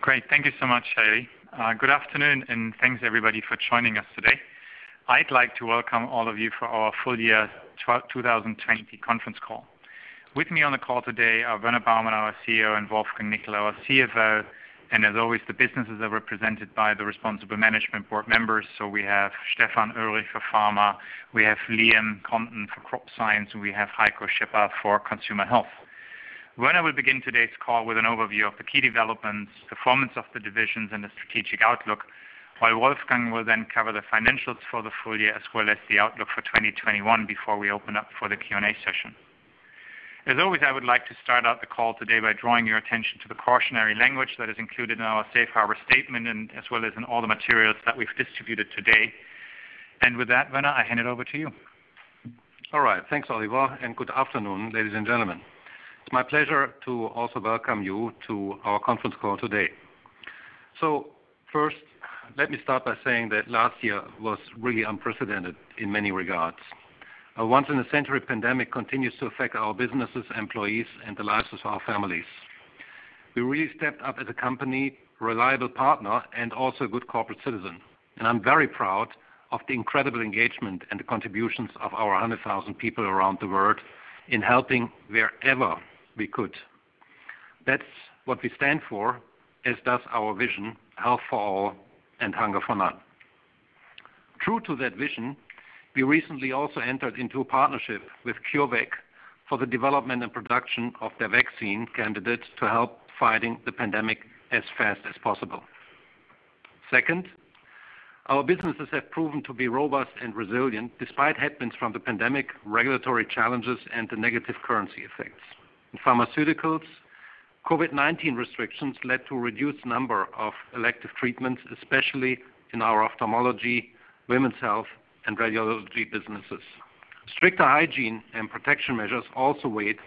Great. Thank you so much, Haley. Good afternoon, thanks everybody for joining us today. I'd like to welcome all of you for our full year 2020 conference call. With me on the call today are Werner Baumann, our CEO, and Wolfgang Nickl, our CFO. As always, the businesses are represented by the responsible management board members. We have Stefan Oelrich for Pharma. We have Liam Condon for Crop Science, and we have Heiko Schipper for Consumer Health. Werner will begin today's call with an overview of the key developments, performance of the divisions, and the strategic outlook, while Wolfgang will then cover the financials for the full year as well as the outlook for 2021 before we open up for the Q&A session. As always, I would like to start out the call today by drawing your attention to the cautionary language that is included in our safe harbor statement and as well as in all the materials that we've distributed today. With that, Werner, I hand it over to you. All right. Thanks, Oliver, and good afternoon, ladies and gentlemen. It's my pleasure to also welcome you to our conference call today. First, let me start by saying that last year was really unprecedented in many regards. A once in a century pandemic continues to affect our businesses, employees, and the lives of our families. We really stepped up as a company, reliable partner, and also a good corporate citizen. I'm very proud of the incredible engagement and the contributions of our 100,000 people around the world in helping wherever we could. That's what we stand for, as does our vision, "Health for all and hunger for none." True to that vision, we recently also entered into a partnership with CureVac for the development and production of their vaccine candidate to help fighting the pandemic as fast as possible. Second, our businesses have proven to be robust and resilient despite headwinds from the pandemic, regulatory challenges, and the negative currency effects. In Pharmaceuticals, COVID-19 restrictions led to a reduced number of elective treatments, especially in our ophthalmology, women's health, and radiology businesses. Stricter hygiene and protection measures also weighed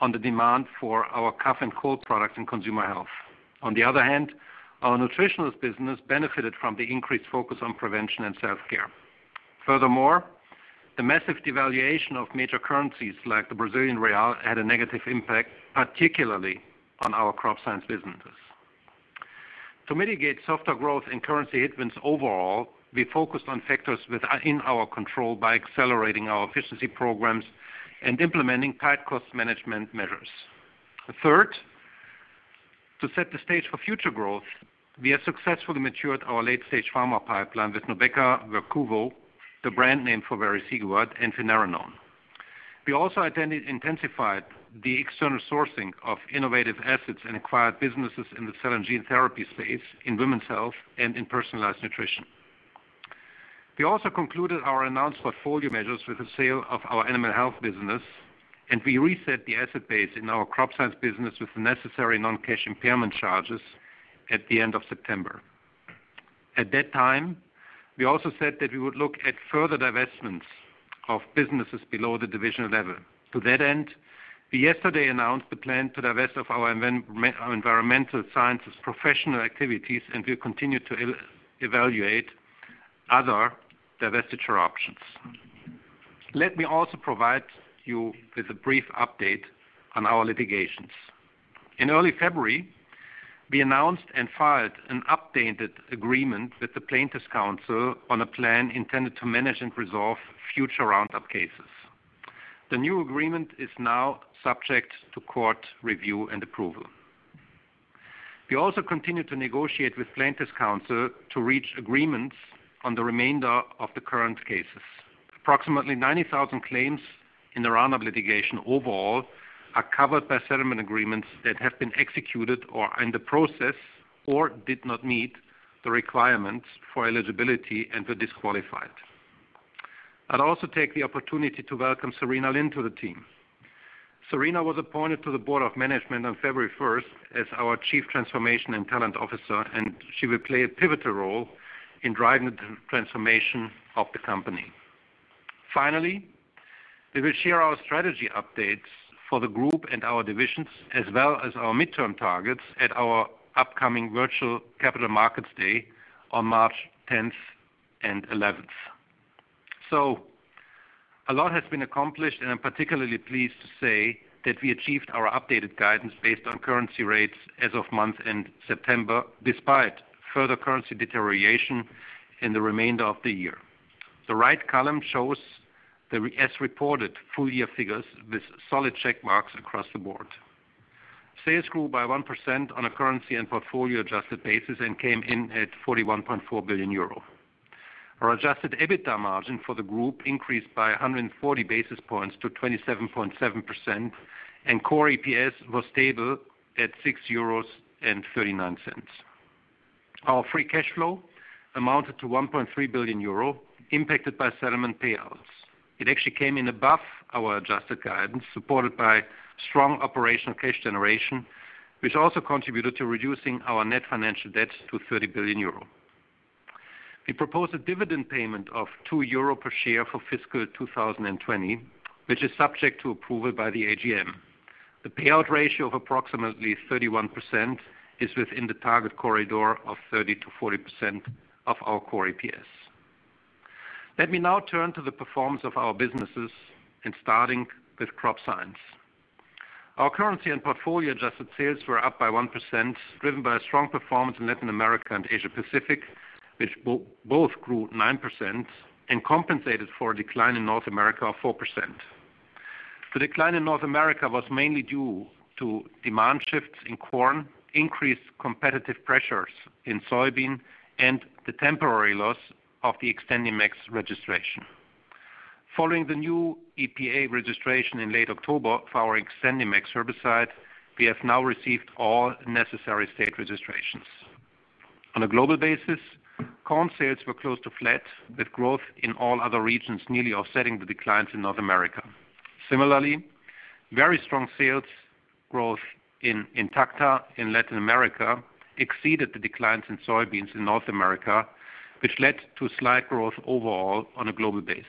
on the demand for our cough and cold products in Consumer Health. On the other hand, our Nutritionals business benefited from the increased focus on prevention and self-care. Furthermore, the massive devaluation of major currencies like the Brazilian real had a negative impact, particularly on our Crop Science businesses. To mitigate softer growth and currency headwinds overall, we focused on factors within our control by accelerating our efficiency programs and implementing tight cost management measures. Third, to set the stage for future growth, we have successfully matured our late-stage Pharmaceuticals pipeline with Nubeqa, VERQUVO, the brand name for vericiguat, and finerenone. We also intensified the external sourcing of innovative assets and acquired businesses in the cell and gene therapy space in women's health and in personalized nutrition. We also concluded our announced portfolio measures with the sale of our Animal Health business, and we reset the asset base in our Crop Science business with the necessary non-cash impairment charges at the end of September. At that time, we also said that we would look at further divestments of businesses below the division level. To that end, we yesterday announced the plan to divest of our Environmental Science Professional activities, and we will continue to evaluate other divestiture options. Let me also provide you with a brief update on our litigations. In early February, we announced and filed an updated agreement with the plaintiffs' counsel on a plan intended to manage and resolve future Roundup cases. The new agreement is now subject to court review and approval. We also continue to negotiate with plaintiffs' counsel to reach agreements on the remainder of the current cases. Approximately 90,000 claims in the Roundup litigation overall are covered by settlement agreements that have been executed or are in the process or did not meet the requirements for eligibility and were disqualified. I will also take the opportunity to welcome Sarena Lin to the team. Sarena was appointed to the Board of Management on February 1st as our Chief Transformation and Talent Officer. She will play a pivotal role in driving the transformation of the company. Finally, we will share our strategy updates for the group and our divisions, as well as our midterm targets at our upcoming virtual Capital Markets Day on March 10th and 11th. A lot has been accomplished, and I'm particularly pleased to say that we achieved our updated guidance based on currency rates as of month end September, despite further currency deterioration in the remainder of the year. The right column shows the as reported full-year figures with solid check marks across the board. Sales grew by 1% on a currency and portfolio adjusted basis and came in at 41.4 billion euro. Our adjusted EBITDA margin for the group increased by 140 basis points to 27.7%, and core EPS was stable at 6.39 euros. Our free cash flow amounted to 1.3 billion euro, impacted by settlement payouts. It actually came in above our adjusted guidance, supported by strong operational cash generation, which also contributed to reducing our net financial debt to €30 billion. We propose a dividend payment of 2 euro per share for fiscal 2020, which is subject to approval by the AGM. The payout ratio of approximately 31% is within the target corridor of 30%-40% of our core EPS. Let me now turn to the performance of our businesses and starting with Crop Science. Our currency and portfolio adjusted sales were up by 1%, driven by a strong performance in Latin America and Asia Pacific, which both grew 9% and compensated for a decline in North America of 4%. The decline in North America was mainly due to demand shifts in corn, increased competitive pressures in soybean, and the temporary loss of the XtendiMax registration. Following the new EPA registration in late October for our XtendiMax herbicide, we have now received all necessary state registrations. On a global basis, corn sales were close to flat with growth in all other regions, nearly offsetting the declines in North America. Similarly, very strong sales growth in Intacta in Latin America exceeded the declines in soybeans in North America, which led to slight growth overall on a global basis.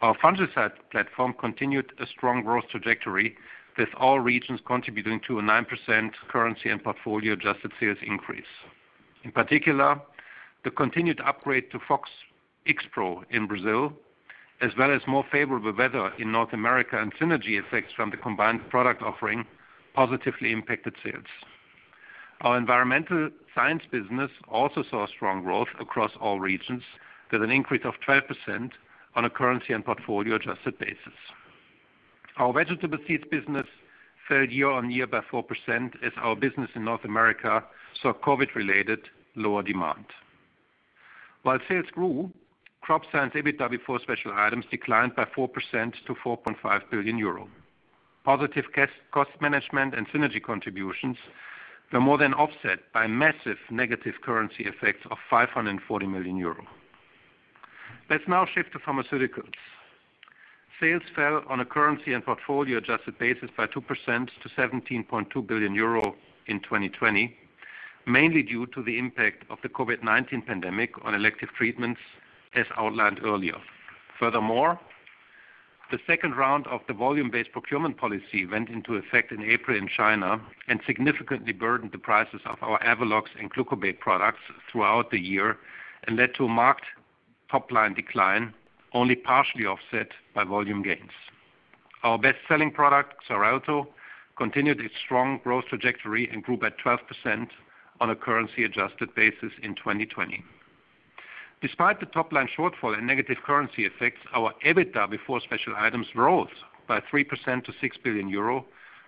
Our fungicide platform continued a strong growth trajectory, with all regions contributing to a 9% currency and portfolio adjusted sales increase. In particular, the continued upgrade to Fox Xpro in Brazil, as well as more favorable weather in North America and synergy effects from the combined product offering positively impacted sales. Our Environmental Science business also saw strong growth across all regions, with an increase of 12% on a currency and portfolio adjusted basis. Our vegetable seeds business fell year-on-year by 4% as our business in North America saw COVID-related lower demand. While sales grew, Crop Science EBITDA before special items declined by 4% to 4.5 billion euro. Positive cost management and synergy contributions were more than offset by massive negative currency effects of 540 million euro. Let's now shift to Pharmaceuticals. Sales fell on a currency and portfolio adjusted basis by 2% to 17.2 billion euro in 2020, mainly due to the impact of the COVID-19 pandemic on elective treatments, as outlined earlier. Furthermore, the second round of the volume-based procurement policy went into effect in April in China and significantly burdened the prices of our AVELOX and Glucobay products throughout the year and led to a marked top-line decline, only partially offset by volume gains. Our best-selling product, Xarelto, continued its strong growth trajectory and grew by 12% on a currency adjusted basis in 2020. Despite the top-line shortfall and negative currency effects, our EBITDA before special items rose by 3% to 6 billion euro,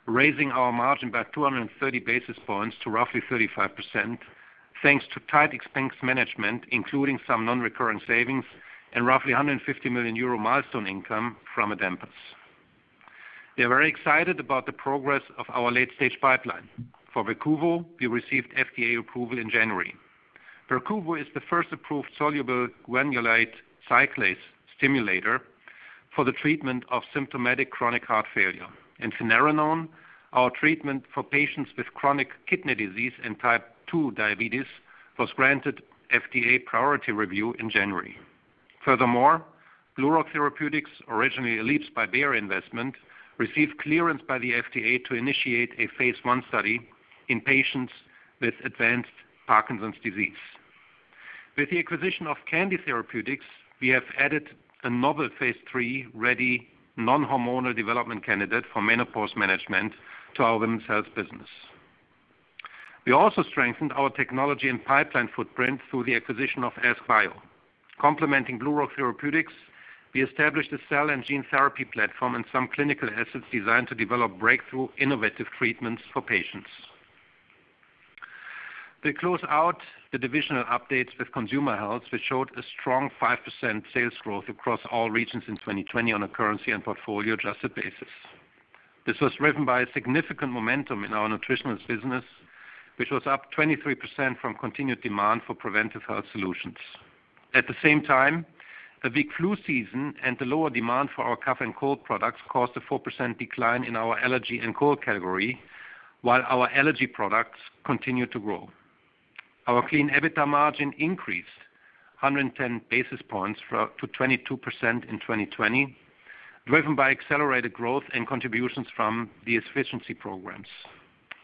raising our margin by 230 basis points to roughly 35%, thanks to tight expense management, including some non-recurrent savings and roughly 150 million euro milestone income from Adempas. We are very excited about the progress of our late-stage pipeline. For Verquvo, we received FDA approval in January. Verquvo is the first approved soluble guanylate cyclase stimulator for the treatment of symptomatic chronic heart failure. Finerenone, our treatment for patients with chronic kidney disease and type 2 diabetes, was granted FDA priority review in January. Furthermore, BlueRock Therapeutics, originally a Leaps by Bayer investment, received clearance by the FDA to initiate a phase I study in patients with advanced Parkinson's disease. With the acquisition of KaNDy Therapeutics, we have added a novel phase III-ready, non-hormonal development candidate for menopause management to our women's health business. We also strengthened our technology and pipeline footprint through the acquisition of AskBio. Complementing BlueRock Therapeutics, we established a cell and gene therapy platform and some clinical assets designed to develop breakthrough innovative treatments for patients. We close out the divisional updates with Consumer Health, which showed a strong 5% sales growth across all regions in 2020 on a currency and portfolio adjusted basis. This was driven by a significant momentum in our Nutritionals business, which was up 23% from continued demand for preventive health solutions. At the same time, a big flu season and the lower demand for our cough and cold products caused a 4% decline in our allergy and cold category, while our allergy products continued to grow. Our clean EBITDA margin increased 110 basis points to 22% in 2020, driven by accelerated growth and contributions from the efficiency programs.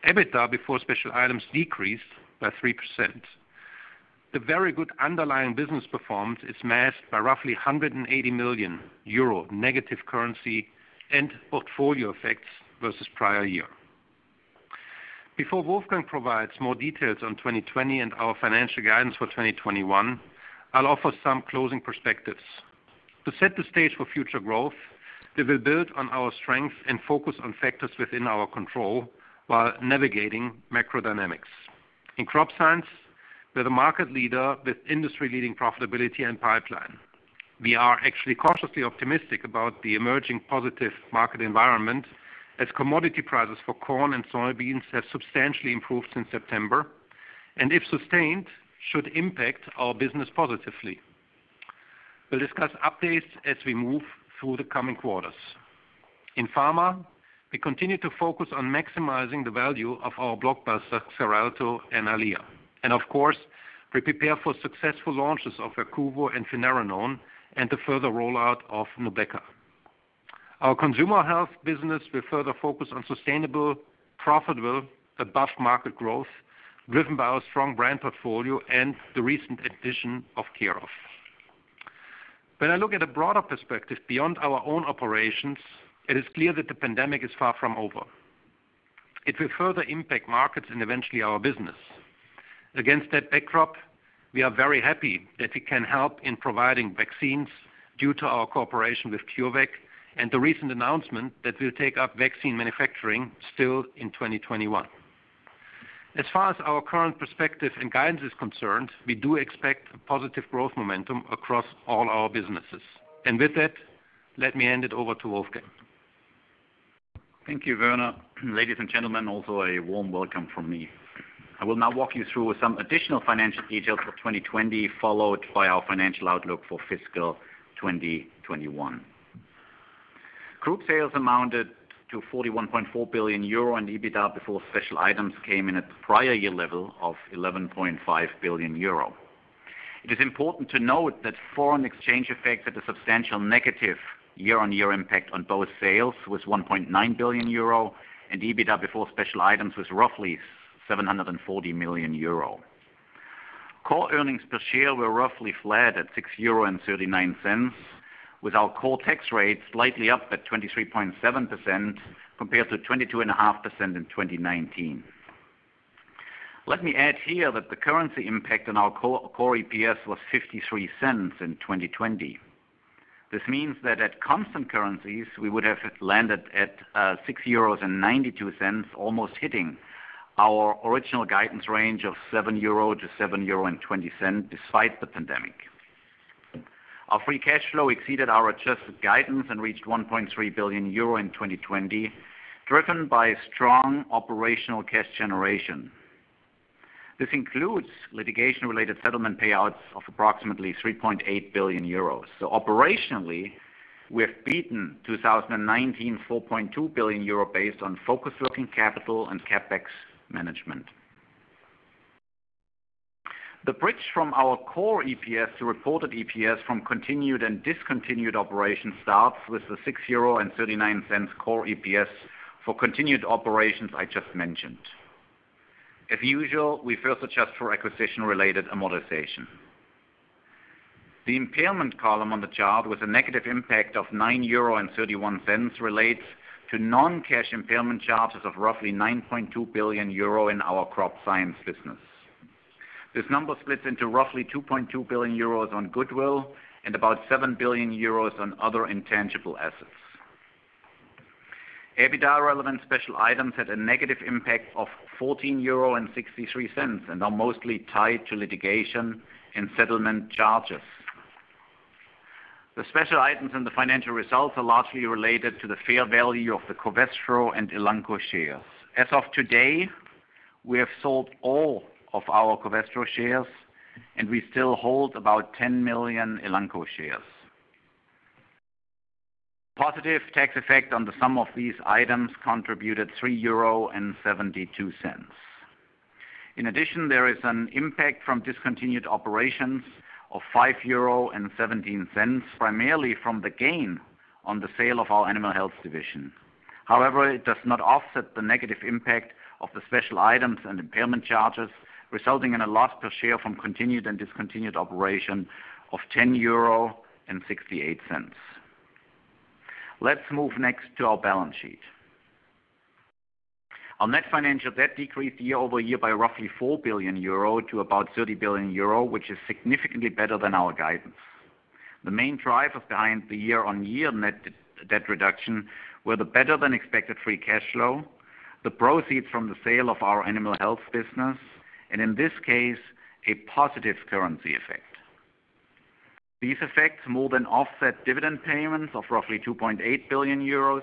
EBITDA before special items decreased by 3%. The very good underlying business performance is masked by roughly 180 million euro negative currency and portfolio effects versus prior year. Before Wolfgang provides more details on 2020 and our financial guidance for 2021, I will offer some closing perspectives. To set the stage for future growth, we will build on our strength and focus on factors within our control while navigating macro dynamics. In Crop Science, we are the market leader with industry-leading profitability and pipeline. We are actually cautiously optimistic about the emerging positive market environment as commodity prices for corn and soybeans have substantially improved since September, and if sustained, should impact our business positively. We'll discuss updates as we move through the coming quarters. In Pharmaceuticals, we continue to focus on maximizing the value of our blockbusters, XARELTO and EYLEA. Of course, we prepare for successful launches of VERQUVO and finerenone and the further rollout of Nubeqa. Our Consumer Health business will further focus on sustainable, profitable above-market growth driven by our strong brand portfolio and the recent addition of Care/of. When I look at a broader perspective beyond our own operations, it is clear that the pandemic is far from over. It will further impact markets and eventually our business. Against that backdrop, we are very happy that we can help in providing vaccines due to our cooperation with CureVac and the recent announcement that we'll take up vaccine manufacturing still in 2021. As far as our current perspective and guidance is concerned, we do expect a positive growth momentum across all our businesses. With that, let me hand it over to Wolfgang. Thank you, Werner. Ladies and gentlemen, also a warm welcome from me. I will now walk you through some additional financial details for 2020, followed by our financial outlook for fiscal 2021. Group sales amounted to 41.4 billion euro, and EBITDA before special items came in at the prior year level of 11.5 billion euro. It is important to note that foreign exchange effects had a substantial negative year-on-year impact on both sales, with 1.9 billion euro, and EBITDA before special items with roughly 740 million euro. Core earnings per share were roughly flat at 6.39 euro, with our core tax rate slightly up at 23.7% compared to 22.5% in 2019. Let me add here that the currency impact on our core EPS was 0.53 in 2020. This means that at constant currencies, we would have landed at 6.92 euros, almost hitting our original guidance range of 7-7.20 euro despite the pandemic. Our free cash flow exceeded our adjusted guidance and reached 1.3 billion euro in 2020, driven by strong operational cash generation. This includes litigation-related settlement payouts of approximately 3.8 billion euros. Operationally, we have beaten 2019 4.2 billion euro based on focused working capital and CapEx management. The bridge from our core EPS to reported EPS from continued and discontinued operations starts with the 6.39 euro core EPS for continued operations I just mentioned. As usual, we first adjust for acquisition-related amortization. The impairment column on the chart, with a negative impact of 9.31 euro, relates to non-cash impairment charges of roughly 9.2 billion euro in our Crop Science business. This number splits into roughly 2.2 billion euros on goodwill and about 7 billion euros on other intangible assets. EBITDA relevant special items had a negative impact of 14.63 euro and are mostly tied to litigation and settlement charges. The special items and the financial results are largely related to the fair value of the Covestro and Elanco shares. As of today, we have sold all of our Covestro shares, and we still hold about 10 million Elanco shares. Positive tax effect on the sum of these items contributed 3.72 euro. In addition, there is an impact from discontinued operations of 5.17 euro, primarily from the gain on the sale of our Animal Health division. It does not offset the negative impact of the special items and impairment charges, resulting in a loss per share from continued and discontinued operation of 10.68 euro. Let's move next to our balance sheet. Our net financial debt decreased year-over-year by roughly 4 billion euro to about 30 billion euro, which is significantly better than our guidance. The main drivers behind the year-on-year net debt reduction were the better than expected free cash flow, the proceeds from the sale of our Animal Health business, and in this case, a positive currency effect. These effects more than offset dividend payments of roughly 2.8 billion euros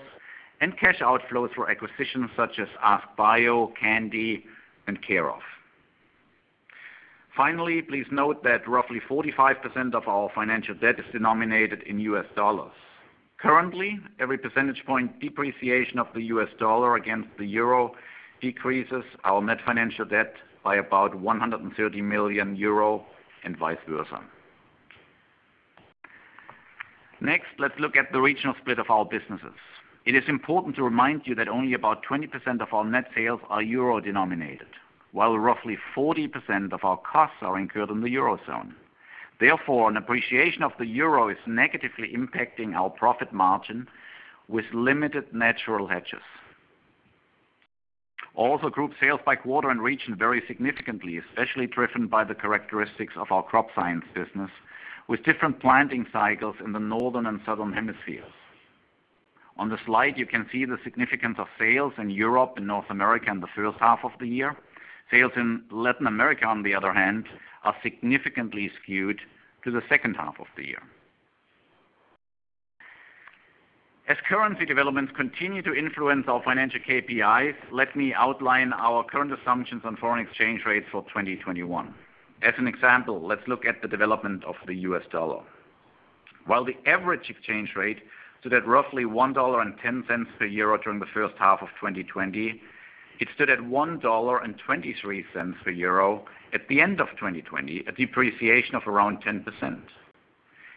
and cash outflows for acquisitions such as AskBio, KaNDy, and Care/of. Finally, please note that roughly 45% of our financial debt is denominated in US dollars. Currently, every percentage point depreciation of the US dollar against the euro decreases our net financial debt by about 130 million euro and vice versa. Next, let's look at the regional split of our businesses. It is important to remind you that only about 20% of our net sales are euro denominated, while roughly 40% of our costs are incurred in the Eurozone. Therefore, an appreciation of the euro is negatively impacting our profit margin with limited natural hedges. Also, group sales by quarter and region vary significantly, especially driven by the characteristics of our Crop Science business, with different planting cycles in the Northern and Southern hemispheres. On the slide, you can see the significance of sales in Europe and North America in the first half of the year. Sales in Latin America, on the other hand, are significantly skewed to the second half of the year. As currency developments continue to influence our financial KPIs, let me outline our current assumptions on foreign exchange rates for 2021. As an example, let's look at the development of the US dollar. While the average exchange rate stood at roughly $1.10 per EUR during the first half of 2020. It stood at $1.23 per EUR at the end of 2020, a depreciation of around 10%.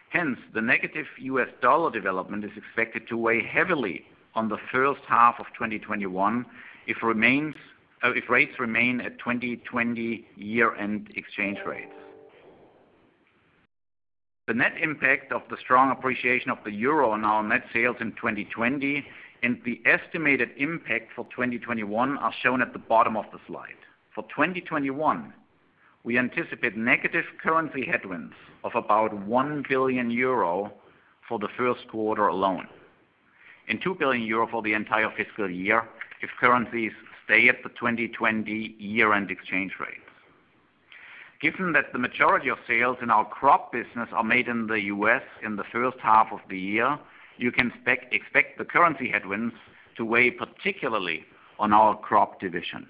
Hence, the negative US dollar development is expected to weigh heavily on the first half of 2021, if rates remain at 2020 year-end exchange rates. The net impact of the strong appreciation of the EUR on our net sales in 2020 and the estimated impact for 2021 are shown at the bottom of the slide. For 2021, we anticipate negative currency headwinds of about 1 billion euro for the first quarter alone and 2 billion euro for the entire fiscal year if currencies stay at the 2020 year-end exchange rates. Given that the majority of sales in our crop business are made in the U.S. in the first half of the year, you can expect the currency headwinds to weigh particularly on our crop division.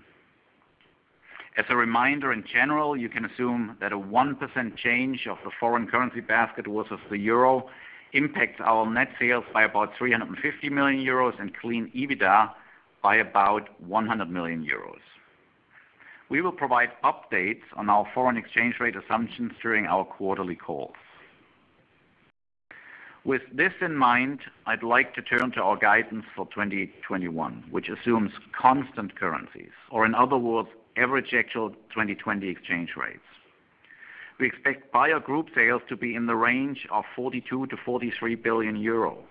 As a reminder, in general, you can assume that a 1% change of the foreign currency basket versus the euro impacts our net sales by about 350 million euros and clean EBITDA by about 100 million euros. We will provide updates on our foreign exchange rate assumptions during our quarterly calls. With this in mind, I'd like to turn to our guidance for 2021, which assumes constant currencies, or in other words, average actual 2020 exchange rates. We expect Bayer Group sales to be in the range of 42 billion-43 billion euro,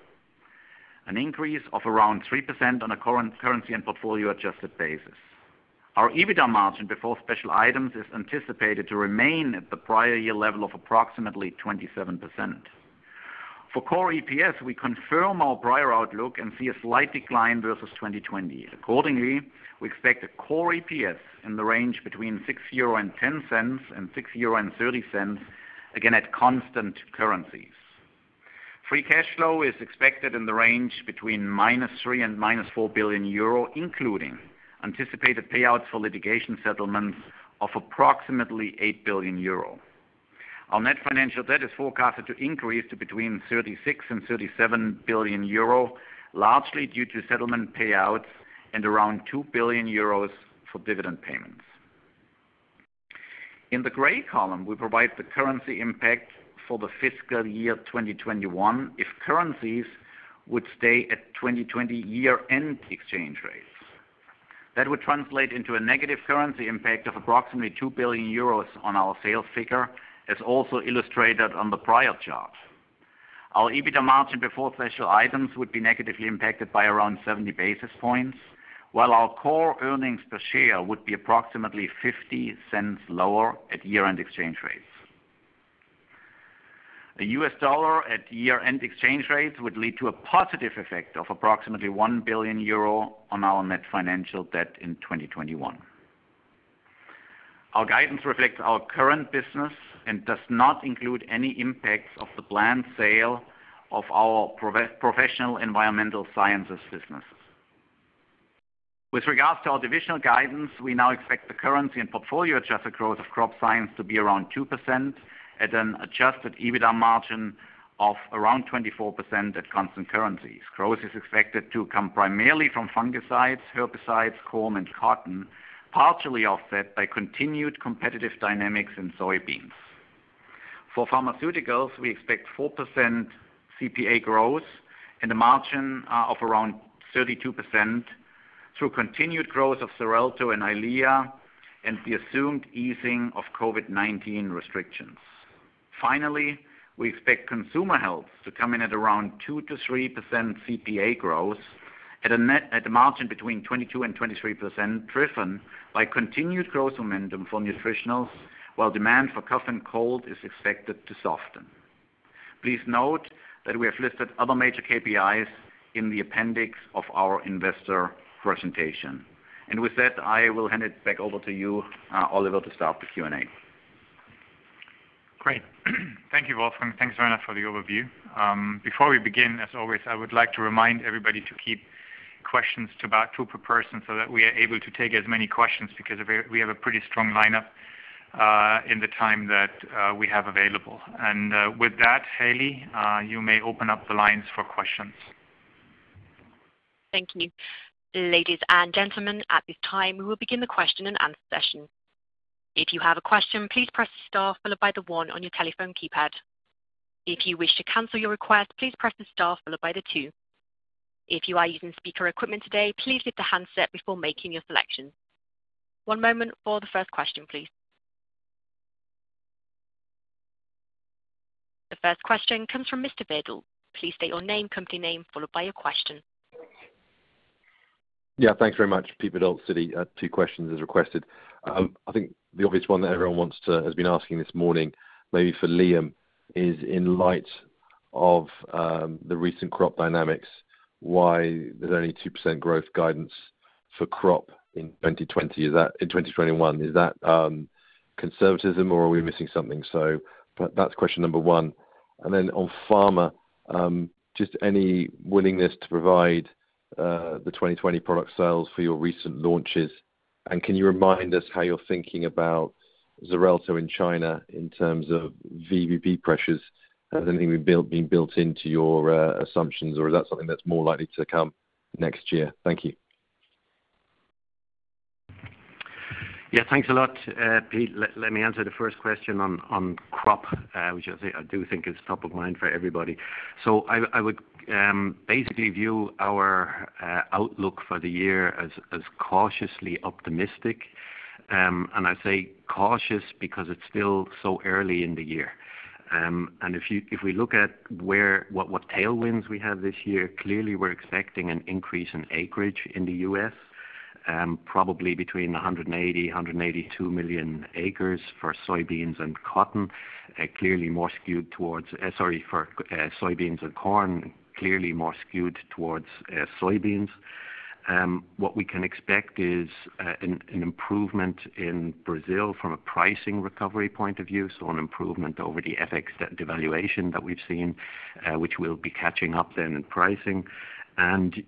an increase of around 3% on a currency and portfolio adjusted basis. Our EBITDA margin before special items is anticipated to remain at the prior year level of approximately 27%. For core EPS, we confirm our prior outlook and see a slight decline versus 2020. Accordingly, we expect a core EPS in the range between 6.10 euro and 6.30 euro, again at constant currencies. Free cash flow is expected in the range between minus 3 billion and minus 4 billion euro, including anticipated payouts for litigation settlements of approximately 8 billion euro. Our net financial debt is forecasted to increase to between 36 billion and 37 billion euro, largely due to settlement payouts and around 2 billion euros for dividend payments. In the gray column, we provide the currency impact for the fiscal year 2021 if currencies would stay at 2020 year-end exchange rates. That would translate into a negative currency impact of approximately 2 billion euros on our sales figure, as also illustrated on the prior chart. Our EBITDA margin before special items would be negatively impacted by around 70 basis points, while our core earnings per share would be approximately 0.50 lower at year-end exchange rates. The US dollar at year-end exchange rates would lead to a positive effect of approximately 1 billion euro on our net financial debt in 2021. Our guidance reflects our current business and does not include any impacts of the planned sale of our professional Environmental Science businesses. With regards to our divisional guidance, we now expect the currency and portfolio adjusted growth of Crop Science to be around 2% at an adjusted EBITDA margin of around 24% at constant currencies. Growth is expected to come primarily from fungicides, herbicides, corn, and cotton, partially offset by continued competitive dynamics in soybeans. For Pharmaceuticals, we expect 4% CPA growth and a margin of around 32% through continued growth of XARELTO and EYLEA, and the assumed easing of COVID-19 restrictions. Finally, we expect Consumer Health to come in at around 2%-3% CPA growth at a margin between 22% and 23%, driven by continued growth momentum for Nutritionals, while demand for cough and cold is expected to soften. Please note that we have listed other major KPIs in the appendix of our investor presentation. With that, I will hand it back over to you, Oliver, to start the Q&A. Great. Thank you, Wolfgang. Thanks very much for the overview. Before we begin, as always, I would like to remind everybody to keep questions to about two per person so that we are able to take as many questions because we have a pretty strong lineup in the time that we have available. With that, Haley, you may open up the lines for questions. Thank you. Ladies and gentlemen, at this time, we will begin the question and answer session. If you have a question, please press star followed by the one on your telephone keypad. If you wish to cancel your request, please press star followed by the two. If you are using speaker equipment today, please lift the handset before making your selection. One moment for the first question, please. The first question comes from Mr. Verdult. Please state your name, company name, followed by your question. Yeah. Thanks very much. Peter Verdult, Citi. Two questions as requested. I think the obvious one that everyone has been asking this morning, maybe for Liam, is in light of the recent Crop dynamics, why there's only 2% growth guidance for Crop in 2021? Is that conservatism or are we missing something? That's question number one. On Pharmaceuticals, just any willingness to provide the 2020 product sales for your recent launches. Can you remind us how you're thinking about Xarelto in China in terms of VBP pressures? Has anything been built into your assumptions, or is that something that's more likely to come next year? Thank you. Yeah, thanks a lot, Peter. Let me answer the first question on crop, which I do think is top of mind for everybody. I would basically view our outlook for the year as cautiously optimistic. I say cautious because it's still so early in the year. If we look at what tailwinds we have this year, clearly we're expecting an increase in acreage in the U.S., probably between 180, 182 million acres for soybeans and corn, clearly more skewed towards soybeans. What we can expect is an improvement in Brazil from a pricing recovery point of view, so an improvement over the FX devaluation that we've seen, which we'll be catching up then in pricing.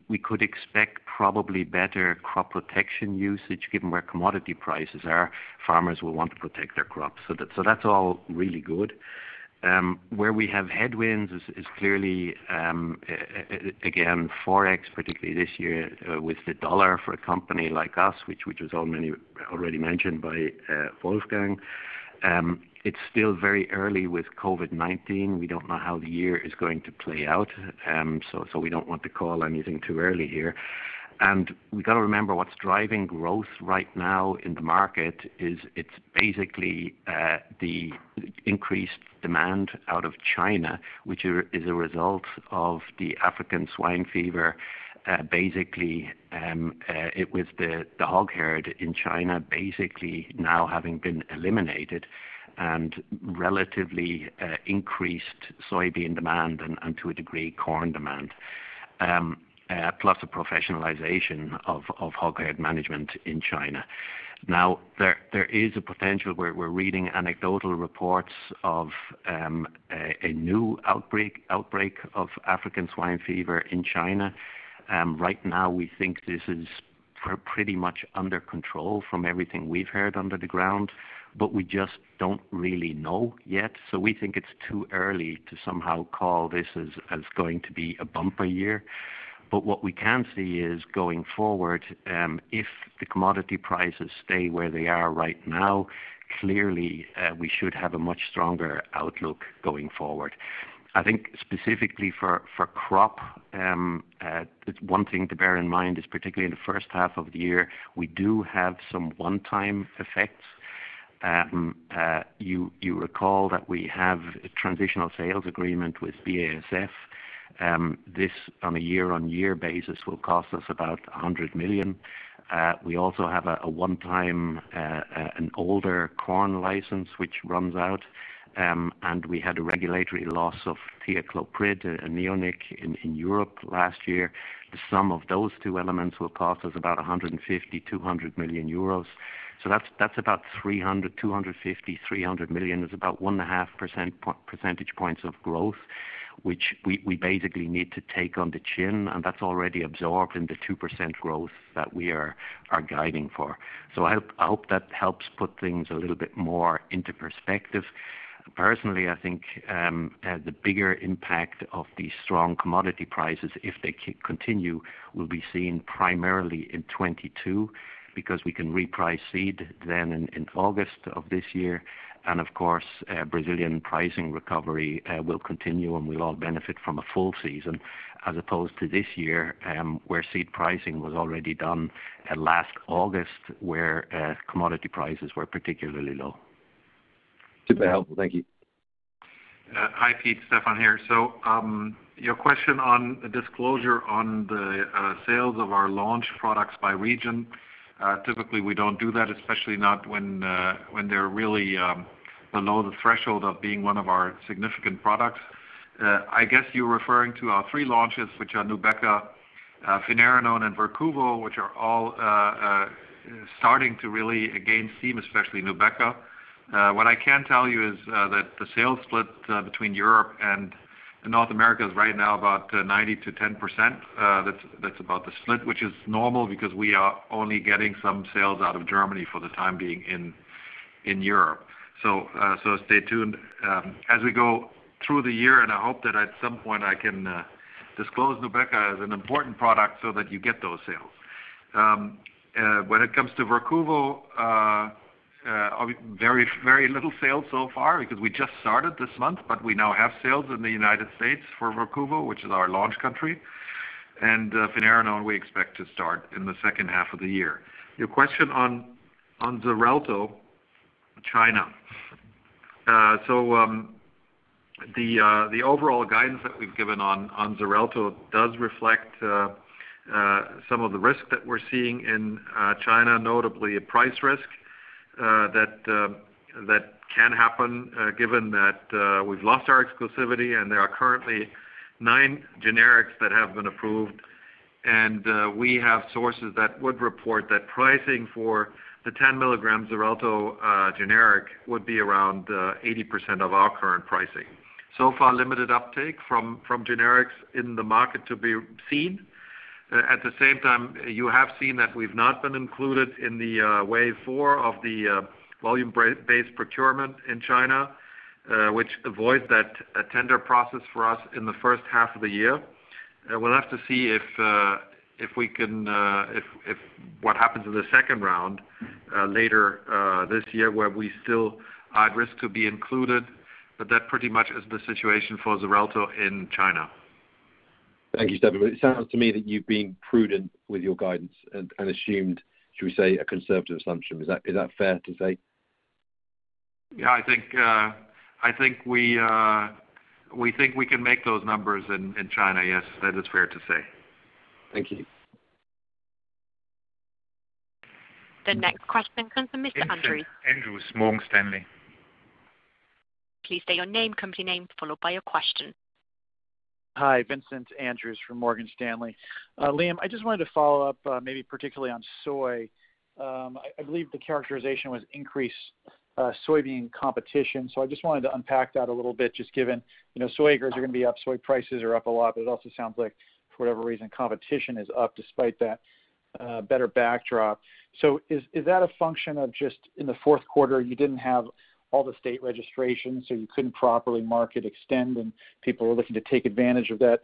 We could expect probably better crop protection usage given where commodity prices are. Farmers will want to protect their crops. That's all really good. Where we have headwinds is clearly, again, Forex, particularly this year with the U.S. dollar for a company like us, which was already mentioned by Wolfgang. It's still very early with COVID-19. We don't know how the year is going to play out. We don't want to call anything too early here. We got to remember what's driving growth right now in the market is it's basically the increased demand out of China, which is a result of the African swine fever. Basically, it was the hog herd in China basically now having been eliminated and relatively increased soybean demand and to a degree, corn demand, plus the professionalization of hog herd management in China. There is a potential where we're reading anecdotal reports of a new outbreak of African swine fever in China. Right now, we think this is pretty much under control from everything we've heard under the ground, but we just don't really know yet. We think it's too early to somehow call this as going to be a bumper year. What we can see is going forward, if the commodity prices stay where they are right now, clearly, we should have a much stronger outlook going forward. I think specifically for Crop Science, one thing to bear in mind is particularly in the first half of the year, we do have some one-time effects. You recall that we have a transitional sales agreement with BASF. This on a year-on-year basis will cost us about 100 million. We also have a one-time, an older corn license, which runs out, and we had a regulatory loss of thiacloprid, a neonic in Europe last year. The sum of those two elements will cost us about 150 million-200 million euros. That's about 250 million-300 million is about one and a half percentage points of growth, which we basically need to take on the chin, and that's already absorbed in the 2% growth that we are guiding for. I hope that helps put things a little bit more into perspective. Personally, I think the bigger impact of these strong commodity prices, if they continue, will be seen primarily in 2022 because we can reprice seed then in August of this year. Of course, Brazilian pricing recovery will continue, and we'll all benefit from a full season as opposed to this year, where seed pricing was already done last August where commodity prices were particularly low. Super helpful. Thank you. Hi, Peter. Stefan here. Your question on disclosure on the sales of our launch products by region. Typically, we don't do that, especially not when they're really below the threshold of being one of our significant products. I guess you're referring to our three launches, which are Nubeqa, finerenone, and VERQUVO, which are all starting to really gain steam, especially Nubeqa. What I can tell you is that the sales split between Europe and North America is right now about 90%-10%. That's about the split, which is normal because we are only getting some sales out of Germany for the time being in Europe. Stay tuned. As we go through the year, and I hope that at some point I can disclose Nubeqa as an important product so that you get those sales. When it comes to Verquvo, very little sales so far because we just started this month, but we now have sales in the United States for Verquvo, which is our launch country. Finerenone we expect to start in the second half of the year. Your question on Xarelto China. The overall guidance that we've given on Xarelto does reflect some of the risk that we're seeing in China, notably a price risk that can happen given that we've lost our exclusivity and there are currently nine generics that have been approved. We have sources that would report that pricing for the 10 mg Xarelto generic would be around 80% of our current pricing. Limited uptake from generics in the market to be seen. At the same time, you have seen that we've not been included in the wave 4 of the volume-based procurement in China, which avoids that tender process for us in the first half of the year. We'll have to see what happens in the second round later this year, where we still are at risk to be included. That pretty much is the situation for XARELTO in China. Thank you, Stefan. It sounds to me that you're being prudent with your guidance and assumed, should we say, a conservative assumption. Is that fair to say? Yeah. We think we can make those numbers in China. Yes, that is fair to say. Thank you. The next question comes from Mr. Andrews. Vincent Andrews, Morgan Stanley. Please state your name, company name, followed by your question. Hi, Vincent Andrews from Morgan Stanley. Liam, I just wanted to follow up, maybe particularly on soy. I believe the characterization was increased soybean competition. I just wanted to unpack that a little bit, just given soy acres are going to be up, soy prices are up a lot, but it also sounds like, for whatever reason, competition is up despite that better backdrop. Is that a function of just in the fourth quarter, you didn't have all the state registrations, so you couldn't properly market Xtend and people were looking to take advantage of that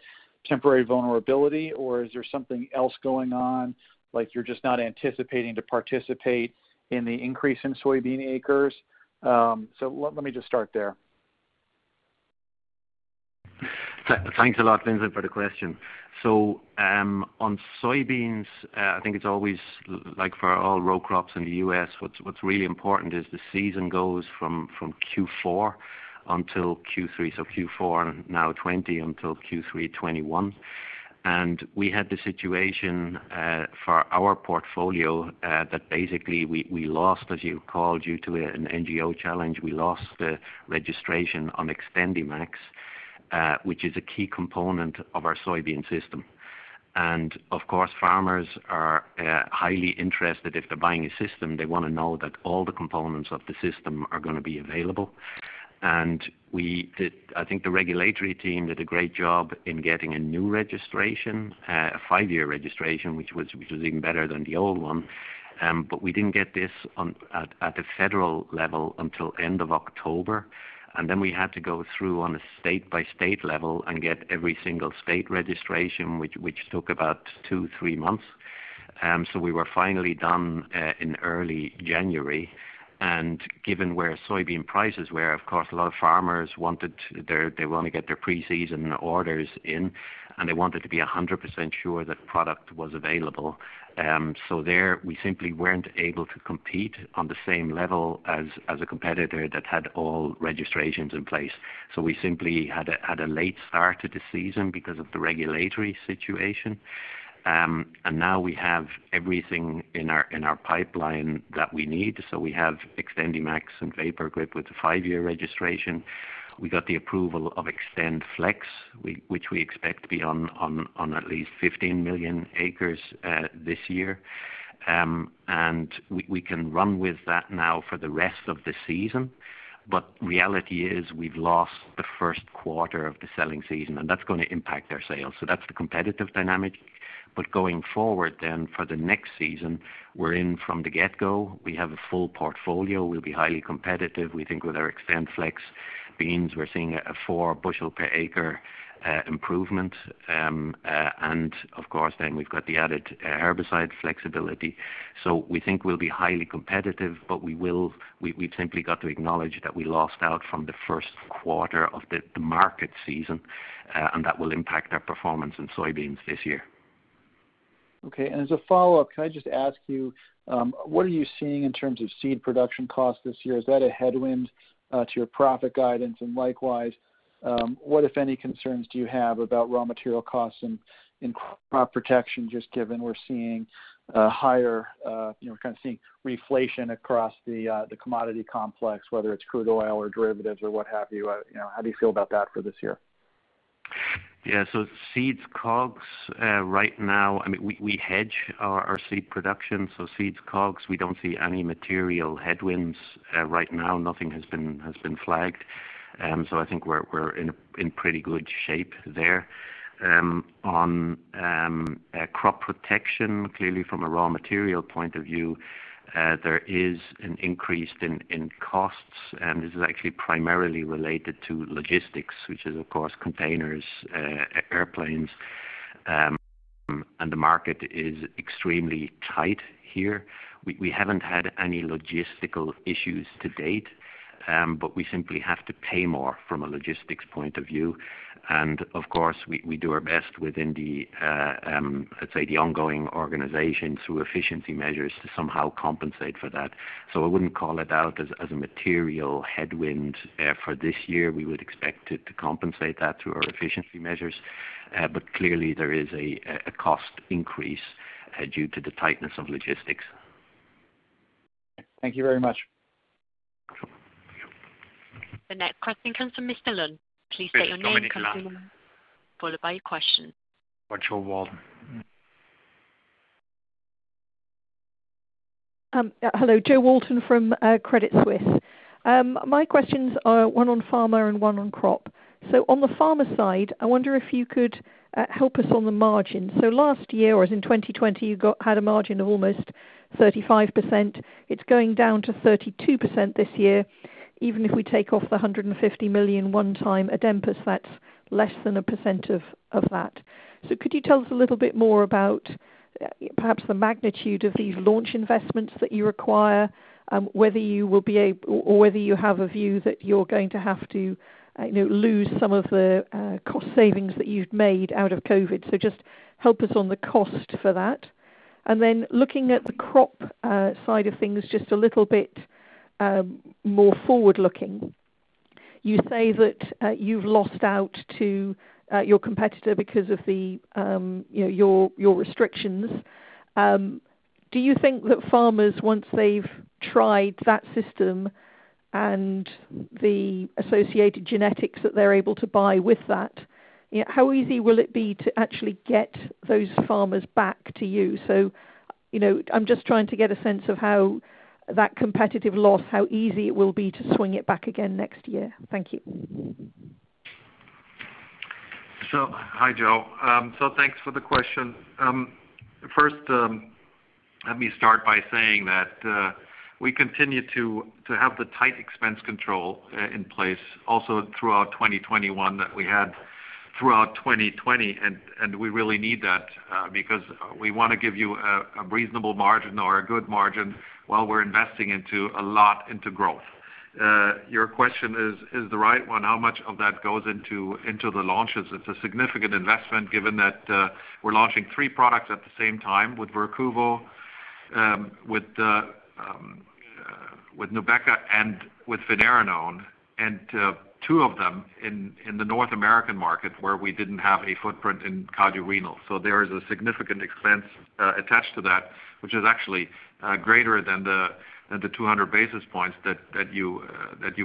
temporary vulnerability? Or is there something else going on, like you're just not anticipating to participate in the increase in soybean acres? Let me just start there. Thanks a lot, Vincent, for the question. On soybeans, I think it's always like for all row crops in the U.S., what's really important is the season goes from Q4 until Q3. Q4 now 2020 until Q3 2021. We had the situation for our portfolio that basically we lost, as you called, due to an NGO challenge, we lost the registration on XtendiMax, which is a key component of our soybean system. Of course, farmers are highly interested. If they're buying a system, they want to know that all the components of the system are going to be available. I think the regulatory team did a great job in getting a new registration, a five-year registration, which was even better than the old one. We didn't get this at the federal level until end of October. We had to go through on a state-by-state level and get every single state registration, which took about two, three months. We were finally done in early January. Given where soybean prices were, of course, a lot of farmers, they want to get their pre-season orders in, and they wanted to be 100% sure that product was available. There, we simply weren't able to compete on the same level as a competitor that had all registrations in place. We simply had a late start to the season because of the regulatory situation. Now we have everything in our pipeline that we need. We have XtendiMax and VaporGrip with the five-year registration. We got the approval of XtendFlex, which we expect to be on at least 15 million acres this year. We can run with that now for the rest of the season. Reality is we've lost the first quarter of the selling season, and that's going to impact our sales. That's the competitive dynamic. Going forward then for the next season, we're in from the get-go. We have a full portfolio. We'll be highly competitive. We think with our XtendFlex beans, we're seeing a four-bushel per acre improvement. Of course then we've got the added herbicide flexibility. We think we'll be highly competitive, but we've simply got to acknowledge that we lost out from the first quarter of the market season, and that will impact our performance in soybeans this year. Okay. As a follow-up, can I just ask you, what are you seeing in terms of seed production cost this year? Is that a headwind to your profit guidance? Likewise, what if any concerns do you have about raw material costs and crop protection, just given we're seeing reflation across the commodity complex, whether it's crude oil or derivatives or what have you? How do you feel about that for this year? Seeds COGS right now, we hedge our seed production. Seeds COGS, we don't see any material headwinds right now. Nothing has been flagged. I think we're in pretty good shape there. On crop protection, clearly from a raw material point of view, there is an increase in costs. This is actually primarily related to logistics, which is, of course, containers, airplanes. The market is extremely tight here. We haven't had any logistical issues to date. We simply have to pay more from a logistics point of view. Of course, we do our best within the, let's say, the ongoing organization through efficiency measures to somehow compensate for that. I wouldn't call it out as a material headwind for this year. We would expect to compensate that through our efficiency measures. Clearly there is a cost increase due to the tightness of logistics. Thank you very much. The next question comes from Mr. Lunn. Please state your name followed by your question. Jo Walton. Hello, Jo Walton from Credit Suisse. My questions are one on pharma and one on crop. On the pharma side, I wonder if you could help us on the margin. Last year, or as in 2020, you had a margin of almost 35%. It's going down to 32% this year. Even if we take off the 150 million one time Adempas, that's less than 1% of that. Could you tell us a little bit more about perhaps the magnitude of these launch investments that you require, or whether you have a view that you're going to have to lose some of the cost savings that you've made out of COVID? Just help us on the cost for that. Looking at the crop side of things just a little bit more forward-looking. You say that you've lost out to your competitor because of your restrictions. Do you think that farmers, once they've tried that system and the associated genetics that they're able to buy with that, how easy will it be to actually get those farmers back to you? I'm just trying to get a sense of how that competitive loss, how easy it will be to swing it back again next year. Thank you. Hi Jo. Thanks for the question. First, let me start by saying that we continue to have the tight expense control in place also throughout 2021 that we had throughout 2020, and we really need that because we want to give you a reasonable margin or a good margin while we're investing into a lot into growth. Your question is the right one. How much of that goes into the launches? It's a significant investment given that we're launching three products at the same time with VERQUVO, with Nubeqa, and with venetoclax, and two of them in the North American market where we didn't have a footprint in cardiorenal. There is a significant expense attached to that, which is actually greater than the 200 basis points that you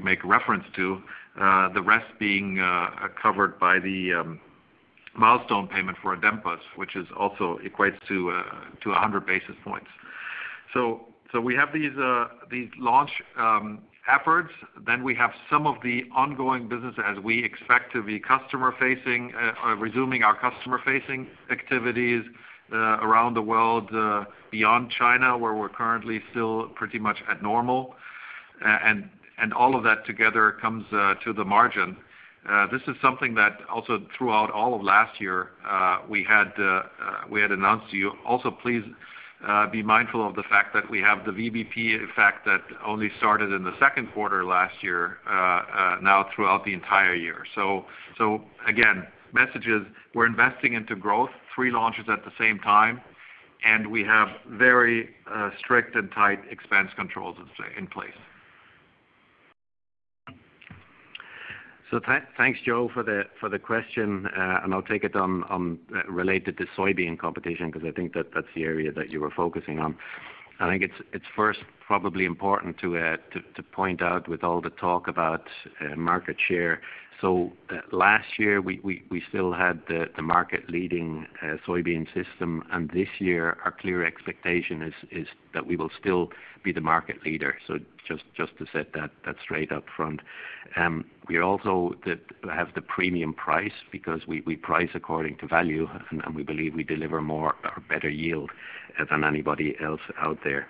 make reference to, the rest being covered by the milestone payment for Adempas, which also equates to 100 basis points. We have some of the ongoing business as we expect to be resuming our customer-facing activities around the world beyond China, where we're currently still pretty much at normal. All of that together comes to the margin. This is something that also throughout all of last year we had announced to you. Please be mindful of the fact that we have the VBP effect that only started in the second quarter last year, now throughout the entire year. Again, message is, we're investing into growth, three launches at the same time, and we have very strict and tight expense controls in place. Thanks Jo for the question, and I'll take it on related to soybean competition, because I think that's the area that you were focusing on. I think it's first probably important to point out with all the talk about market share. Last year we still had the market leading soybean system, this year our clear expectation is that we will still be the market leader. Just to set that straight up front. We also have the premium price because we price according to value and we believe we deliver more or better yield than anybody else out there.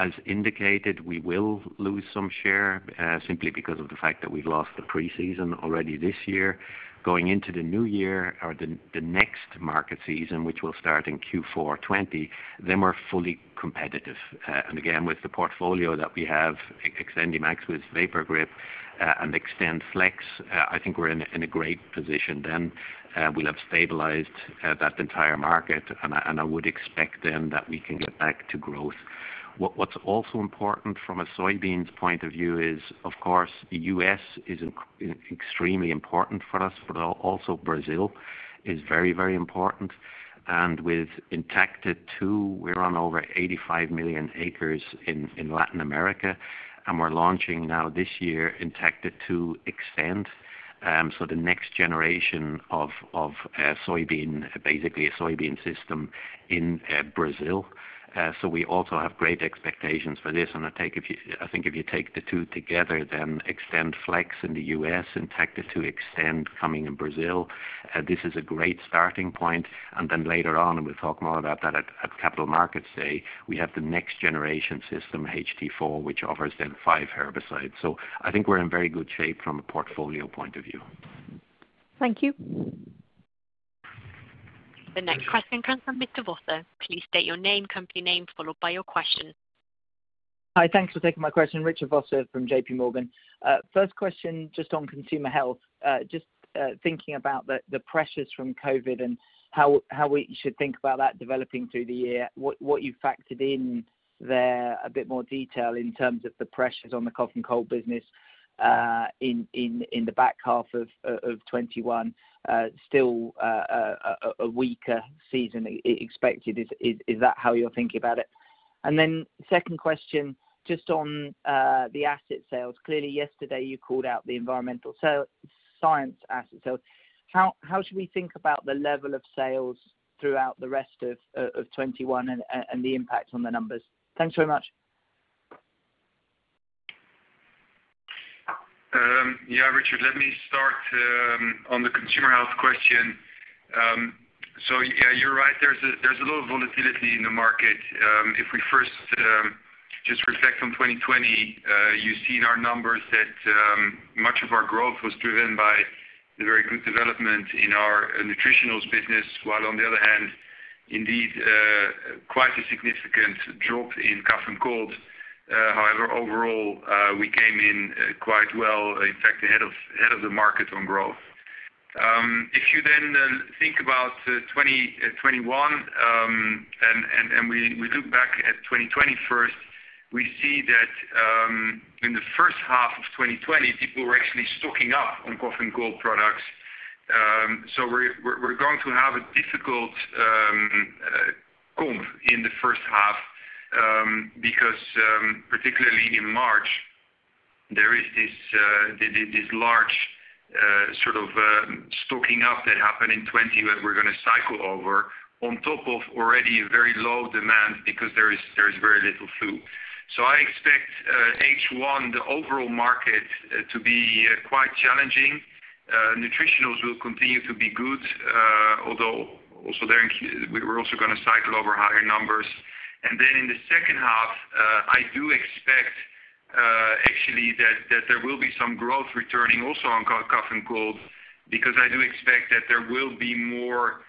As indicated, we will lose some share simply because of the fact that we've lost the pre-season already this year. Going into the new year or the next market season, which will start in Q4 2020, we're fully competitive. With the portfolio that we have, XtendiMax with VaporGrip and XtendFlex, I think we're in a great position then. We'll have stabilized that entire market, and I would expect then that we can get back to growth. What's also important from a soybeans point of view is, of course, U.S. is extremely important for us, but also Brazil is very important. With Intacta 2, we're on over 85 million acres in Latin America. We're launching now this year Intacta 2 Xtend, the next generation of basically a soybean system in Brazil. We also have great expectations for this, and I think if you take the two together, then XtendFlex in the U.S., Intacta 2 Xtend coming in Brazil, this is a great starting point. Later on, and we'll talk more about that at Capital Markets Day, we have the next generation system, HT4, which offers then five herbicides. I think we're in very good shape from a portfolio point of view. Thank you. The next question comes from Mr. Vosser. Please state your name, company name, followed by your question. Hi, thanks for taking my question. Richard Vosser from JPMorgan. First question, just on Consumer Health. Thinking about the pressures from COVID and how we should think about that developing through the year. What you factored in there, a bit more detail in terms of the pressures on the cough and cold business in the back half of 2021. Still a weaker season expected. Is that how you're thinking about it? Second question, just on the asset sales. Clearly yesterday you called out the Environmental Science asset sales. How should we think about the level of sales throughout the rest of 2021 and the impact on the numbers? Thanks very much. Yeah, Richard, let me start on the Consumer Health question. Yeah, you're right. There's a little volatility in the market. If we first just reflect on 2020, you see in our numbers that much of our growth was driven by the very good development in our Nutritionals business, while on the other hand, indeed, quite a significant drop in cough and cold. However, overall, we came in quite well, in fact, ahead of the market on growth. If you then think about 2021, and we look back at 2020 first, we see that in the first half of 2020, people were actually stocking up on cough and cold products. We're going to have a difficult comp in the first half, because particularly in March, there is this large sort of stocking up that happened in 2020 that we're going to cycle over on top of already a very low demand because there is very little flu. I expect H1, the overall market to be quite challenging. Nutritionals will continue to be good, although we're also going to cycle over higher numbers. In the second half, I do expect actually that there will be some growth returning also on cough and cold, because I do expect that there will be more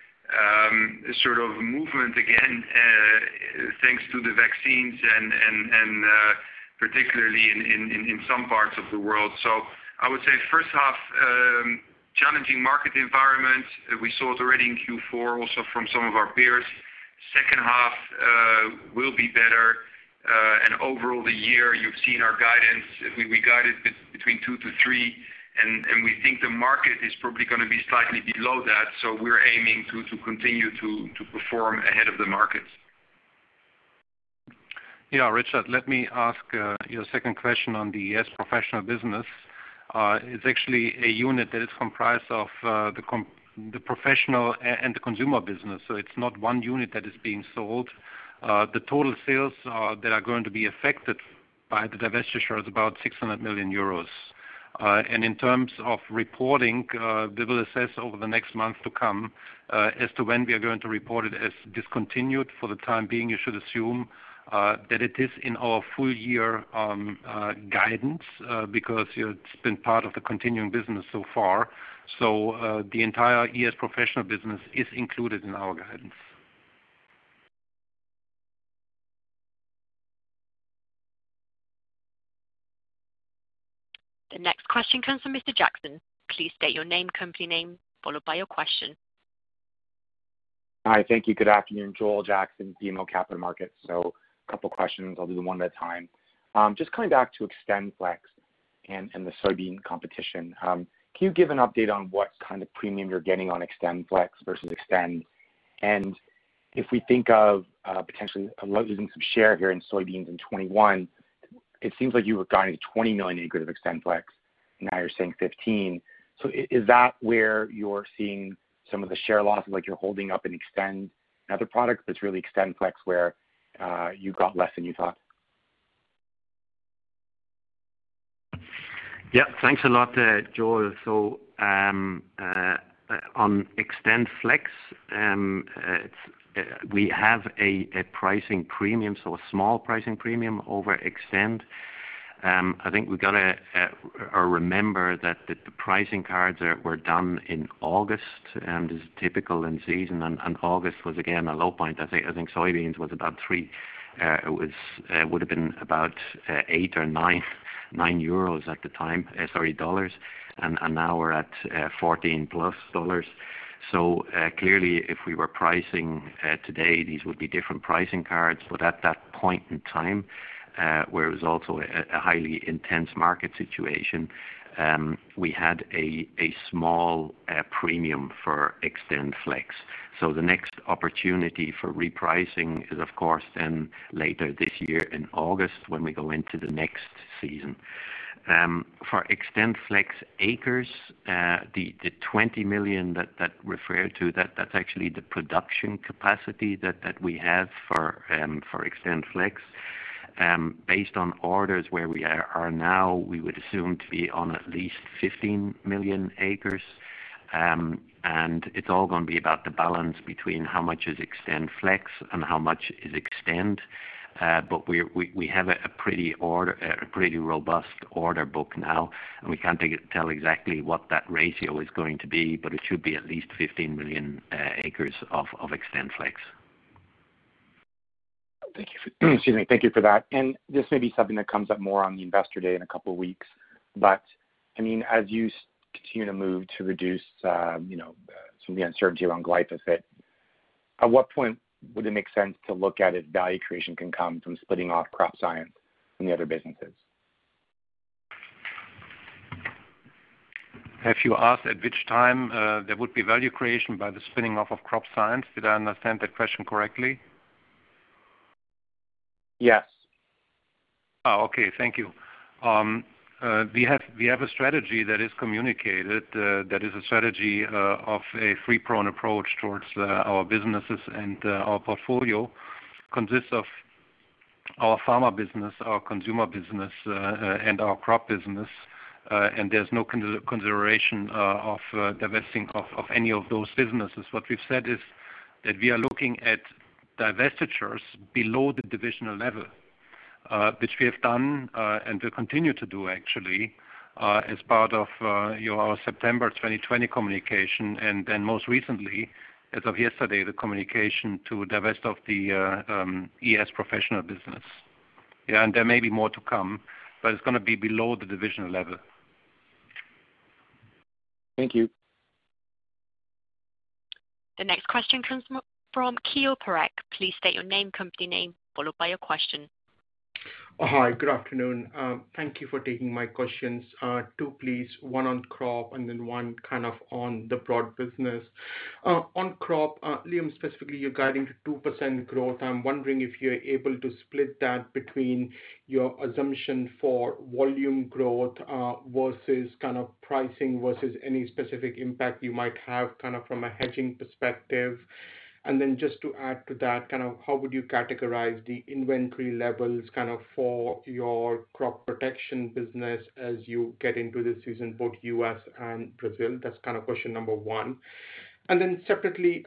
sort of movement again, thanks to the vaccines and particularly in some parts of the world. I would say first half, challenging market environment. We saw it already in Q4 also from some of our peers. Second half will be better. Overall the year, you've seen our guidance. We guided between two to three, and we think the market is probably going to be slightly below that, so we're aiming to continue to perform ahead of the markets. Yeah, Richard, let me ask your second question on the Environmental Science Professional business. It's actually a unit that is comprised of the professional and the consumer business. It's not one unit that is being sold. The total sales that are going to be affected by the divestiture is about 600 million euros. In terms of reporting, we will assess over the next month to come as to when we are going to report it as discontinued. For the time being, you should assume that it is in our full year guidance, because it's been part of the continuing business so far. The entire Environmental Science Professional business is included in our guidance. The next question comes from Mr. Jackson. Please state your name, company name, followed by your question. Hi. Thank you. Good afternoon, Joel Jackson, BMO Capital Markets. A couple questions. I'll do them one at a time. Just coming back to XtendFlex and the soybean competition. Can you give an update on what kind of premium you're getting on XtendFlex versus Xtend? If we think of potentially losing some share here in soybeans in 2021, it seems like you were guiding to 20 million acres of XtendFlex, now you're saying 15. Is that where you're seeing some of the share loss you're holding up in Xtend other products, but it's really XtendFlex where you got less than you thought? Yeah. Thanks a lot, Joel. On XtendFlex, we have a small pricing premium over Xtend. I think we've got to remember that the pricing cards were done in August, and is typical in season, and August was again, a low point. I think soybeans would've been about $8 or $9 at the time, sorry, dollars, and now we're at $14-plus. Clearly if we were pricing today, these would be different pricing cards. At that point in time, where it was also a highly intense market situation, we had a small premium for XtendFlex. The next opportunity for repricing is of course then later this year in August when we go into the next season. For XtendFlex acres, the 20 million that referred to, that's actually the production capacity that we have for XtendFlex. Based on orders where we are now, we would assume to be on at least 15 million acres. It's all going to be about the balance between how much is XtendFlex and how much is Xtend. We have a pretty robust order book now, and we can't tell exactly what that ratio is going to be, but it should be at least 15 million acres of XtendFlex. Excuse me. Thank you for that. This may be something that comes up more on the Investor Day in a couple of weeks. As you continue to move to reduce some of the uncertainty around glyphosate, at what point would it make sense to look at if value creation can come from splitting off Crop Science from the other businesses? Have you asked at which time there would be value creation by the spinning off of Crop Science? Did I understand that question correctly? Yes. Okay. Thank you. We have a strategy that is communicated, that is a strategy of a three-pronged approach towards our businesses. Our portfolio consists of our Pharmaceuticals business, our Consumer Health business, and our Crop Science business. There's no consideration of divesting of any of those businesses. What we've said is that we are looking at divestitures below the divisional level, which we have done and will continue to do actually, as part of our September 2020 communication. Most recently, as of yesterday, the communication to divest of the Environmental Science Professional business. There may be more to come, but it's going to be below the divisional level. Thank you. The next question comes from Keyur Parekh. Please state your name, company name, followed by your question. Hi, good afternoon. Thank you for taking my questions. Two please, one on crop and then one kind of on the broad business. On crop, Liam specifically, you're guiding to 2% growth. I'm wondering if you're able to split that between your assumption for volume growth versus pricing versus any specific impact you might have from a hedging perspective. Just to add to that, how would you categorize the inventory levels for your crop protection business as you get into this season, both U.S. and Brazil? That's question number one. Separately,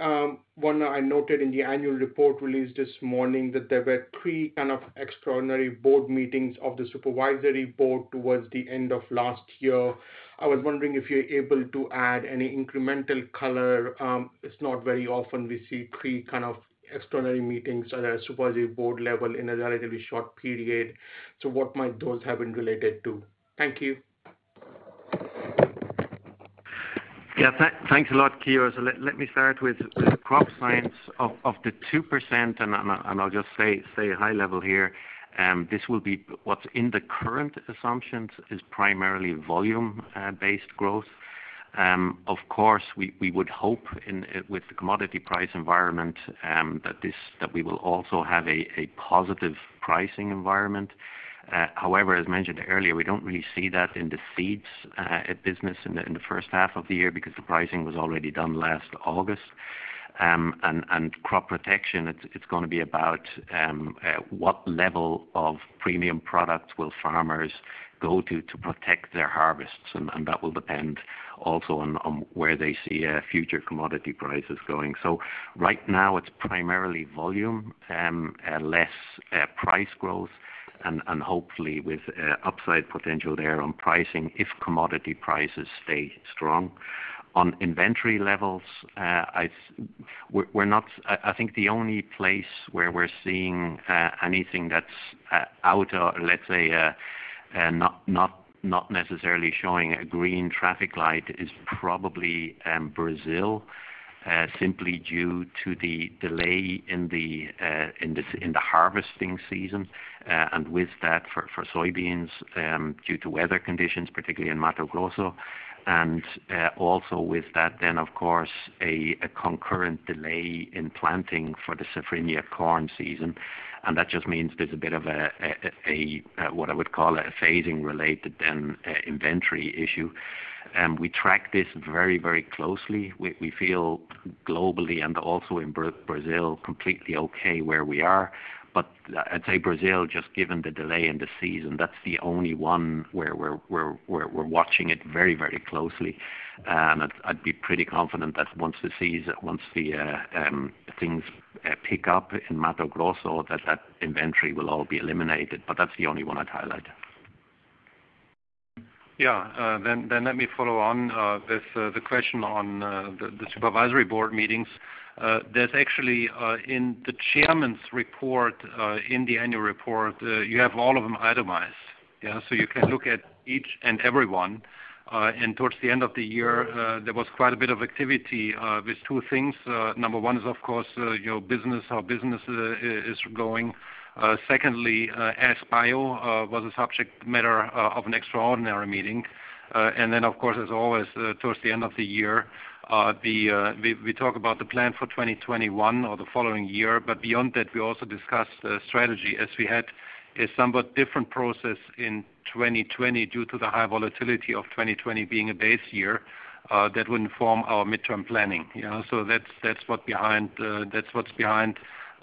one, I noted in the annual report released this morning that there were three extraordinary board meetings of the Supervisory Board towards the end of last year. I was wondering if you're able to add any incremental color. It's not very often we see three extraordinary meetings at a supervisory board level in a relatively short period. What might those have been related to? Thank you. Yeah. Thanks a lot, Keyur. Let me start with Crop Science. Of the 2%, and I'll just stay high level here, this will be what's in the current assumptions is primarily volume-based growth. Of course, we would hope with the commodity price environment, that we will also have a positive pricing environment. However, as mentioned earlier, we don't really see that in the seeds business in the first half of the year because the pricing was already done last August. Crop protection, it's going to be about what level of premium products will farmers go to to protect their harvests, and that will depend also on where they see future commodity prices going. Right now it's primarily volume, less price growth, and hopefully with upside potential there on pricing if commodity prices stay strong. On inventory levels, I think the only place where we're seeing anything that's out or let's say not necessarily showing a green traffic light is probably Brazil, simply due to the delay in the harvesting season, and with that for soybeans, due to weather conditions, particularly in Mato Grosso, and also with that then, of course, a concurrent delay in planting for the Safrinha corn season. That just means there's a bit of a, what I would call a phasing-related then inventory issue. We track this very closely. We feel globally and also in Brazil, completely okay where we are. I'd say Brazil, just given the delay in the season, that's the only one where we're watching it very closely. I'd be pretty confident that once things pick up in Mato Grosso, that that inventory will all be eliminated, but that's the only one I'd highlight. Yeah. Let me follow on with the question on the supervisory board meetings. That actually in the chairman's report, in the annual report, you have all of them itemized. You can look at each and every one. Towards the end of the year, there was quite a bit of activity with two things. Number one is, of course, our business is going. Secondly, AskBio was a subject matter of an extraordinary meeting. Of course, as always, towards the end of the year, we talk about the plan for 2021 or the following year. Beyond that, we also discussed the strategy as we had a somewhat different process in 2020 due to the high volatility of 2020 being a base year that would inform our midterm planning. That's what's behind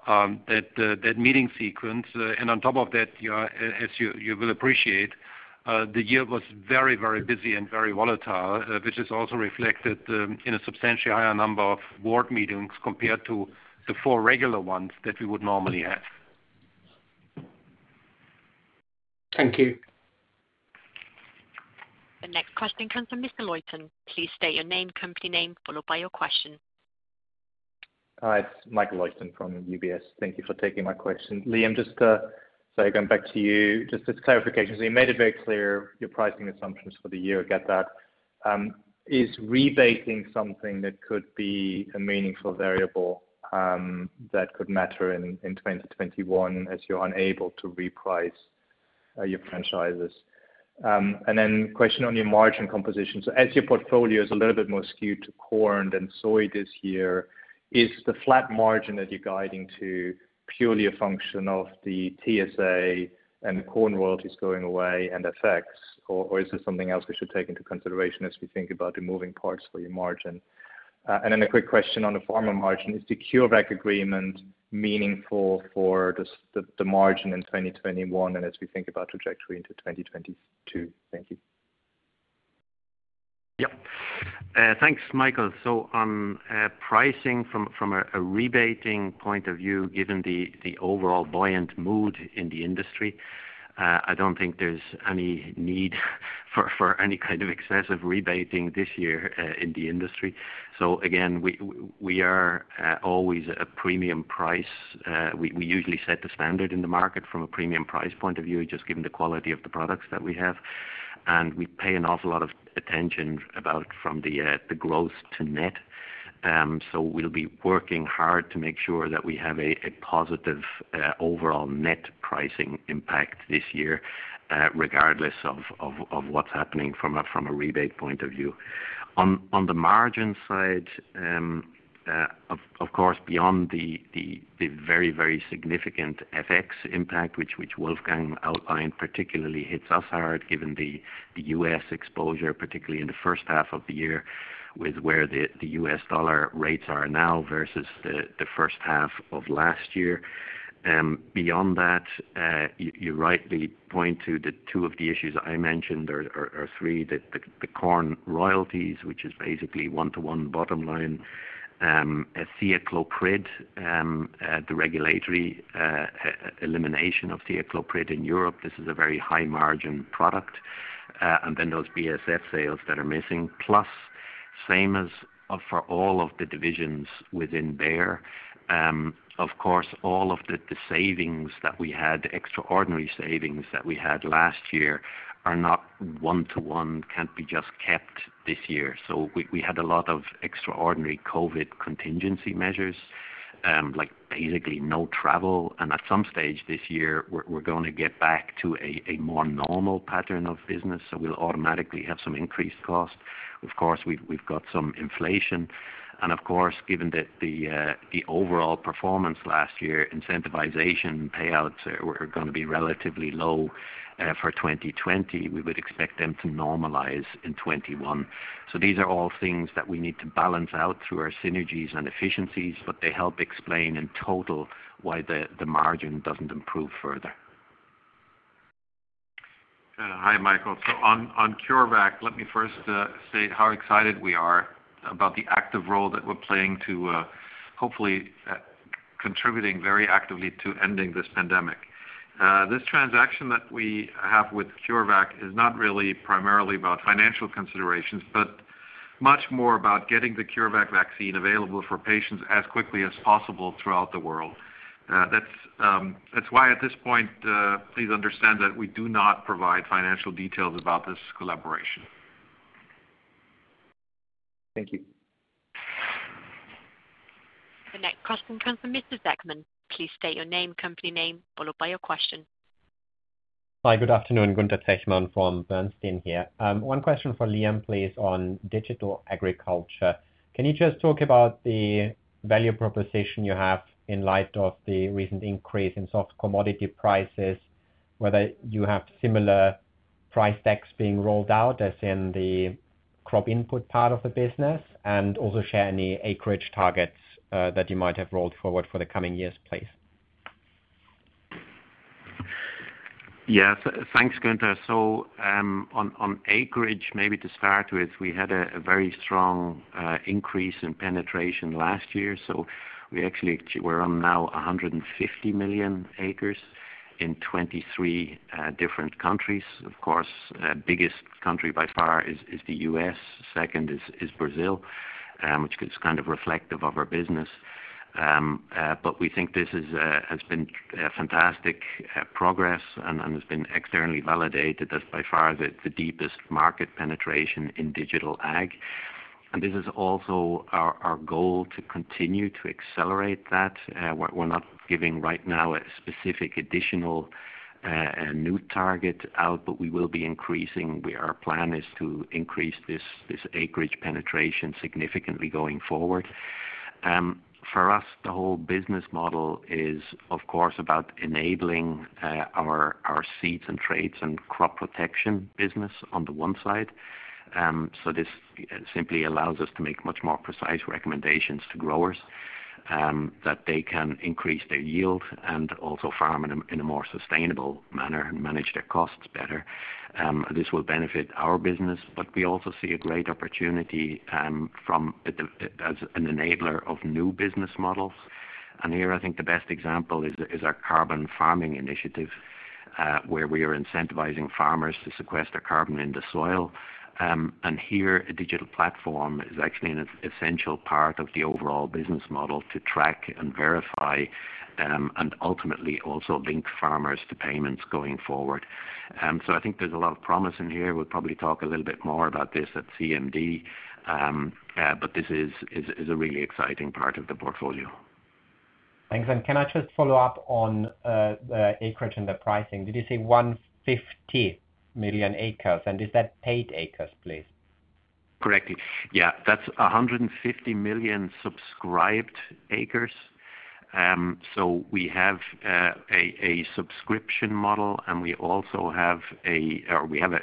that meeting sequence. On top of that, as you will appreciate, the year was very busy and very volatile, which is also reflected in a substantially higher number of board meetings compared to the four regular ones that we would normally have. Thank you. The next question comes from Mr. Leuchten. Please state your name, company name, followed by your question. Hi, it's Michael Leuchten from UBS. Thank you for taking my question. Liam, just going back to you, just as clarification. You made it very clear your pricing assumptions for the year, get that. Is rebating something that could be a meaningful variable that could matter in 2021 as you're unable to reprice your franchises? Question on your margin composition. As your portfolio is a little bit more skewed to corn than soy this year, is the flat margin that you're guiding to purely a function of the TSA and corn royalties going away and effects, or is there something else we should take into consideration as we think about the moving parts for your margin? A quick question on the Pharmaceuticals margin. Is the CureVac agreement meaningful for the margin in 2021 and as we think about trajectory into 2022? Thank you. Thanks, Michael. On pricing from a rebating point of view, given the overall buoyant mood in the industry, I don't think there's any need for any kind of excessive rebating this year in the industry. Again, we are always a premium price. We usually set the standard in the market from a premium price point of view, just given the quality of the products that we have. We pay an awful lot of attention about from the gross to net. We'll be working hard to make sure that we have a positive overall net pricing impact this year, regardless of what's happening from a rebate point of view. On the margin side, of course, beyond the very significant FX impact, which Wolfgang outlined particularly hits us hard given the U.S. exposure, particularly in the first half of the year with where the U.S. dollar rates are now versus the first half of last year. You rightly point to the two of the issues I mentioned, or three, the corn royalties, which is basically one to one bottom line. thiacloprid, the regulatory elimination of thiacloprid in Europe. This is a very high margin product. Those BASF sales that are missing, plus same as for all of the divisions within Bayer. All of the savings that we had, extraordinary savings that we had last year are not one to one, can't be just kept this year. We had a lot of extraordinary COVID contingency measures, like basically no travel. At some stage this year, we're going to get back to a more normal pattern of business. We'll automatically have some increased cost. Of course, we've got some inflation. Of course, given that the overall performance last year, incentivization payouts are going to be relatively low for 2020. We would expect them to normalize in 2021. These are all things that we need to balance out through our synergies and efficiencies, but they help explain in total why the margin doesn't improve further. Hi, Michael. On CureVac, let me first state how excited we are about the active role that we're playing to hopefully contributing very actively to ending this pandemic. This transaction that we have with CureVac is not really primarily about financial considerations, but much more about getting the CureVac vaccine available for patients as quickly as possible throughout the world. That's why at this point, please understand that we do not provide financial details about this collaboration. Thank you. The next question comes from Mr. Zechmann. Please state your name, company name, followed by your question. Hi, good afternoon. Gunther Zechmann from Bernstein here. One question for Liam, please, on digital agriculture. Can you just talk about the value proposition you have in light of the recent increase in soft commodity prices, whether you have similar price decks being rolled out as in the crop input part of the business, and also share any acreage targets that you might have rolled forward for the coming years, please. Thanks, Gunther. On acreage, maybe to start with, we had a very strong increase in penetration last year. We actually, we're on now 150 million acres in 23 different countries. Of course, biggest country by far is the U.S. Second is Brazil, which is kind of reflective of our business. We think this has been fantastic progress and has been externally validated as by far the deepest market penetration in digital ag. This is also our goal to continue to accelerate that. We're not giving right now a specific additional new target out, we will be increasing. Our plan is to increase this acreage penetration significantly going forward. For us, the whole business model is, of course, about enabling our seeds and traits and crop protection business on the one side. This simply allows us to make much more precise recommendations to growers, that they can increase their yield and also farm in a more sustainable manner, manage their costs better. This will benefit our business, but we also see a great opportunity as an enabler of new business models. Here, I think the best example is our Carbon Farming Initiative, where we are incentivizing farmers to sequester carbon in the soil. Here, a digital platform is actually an essential part of the overall business model to track and verify, and ultimately also link farmers to payments going forward. I think there's a lot of promise in here. We'll probably talk a little bit more about this at CMD. This is a really exciting part of the portfolio. Thanks. Can I just follow up on acreage and the pricing? Did you say 150 million acres? Is that paid acres, please? Correct. Yeah. That's 150 million subscribed acres. We have a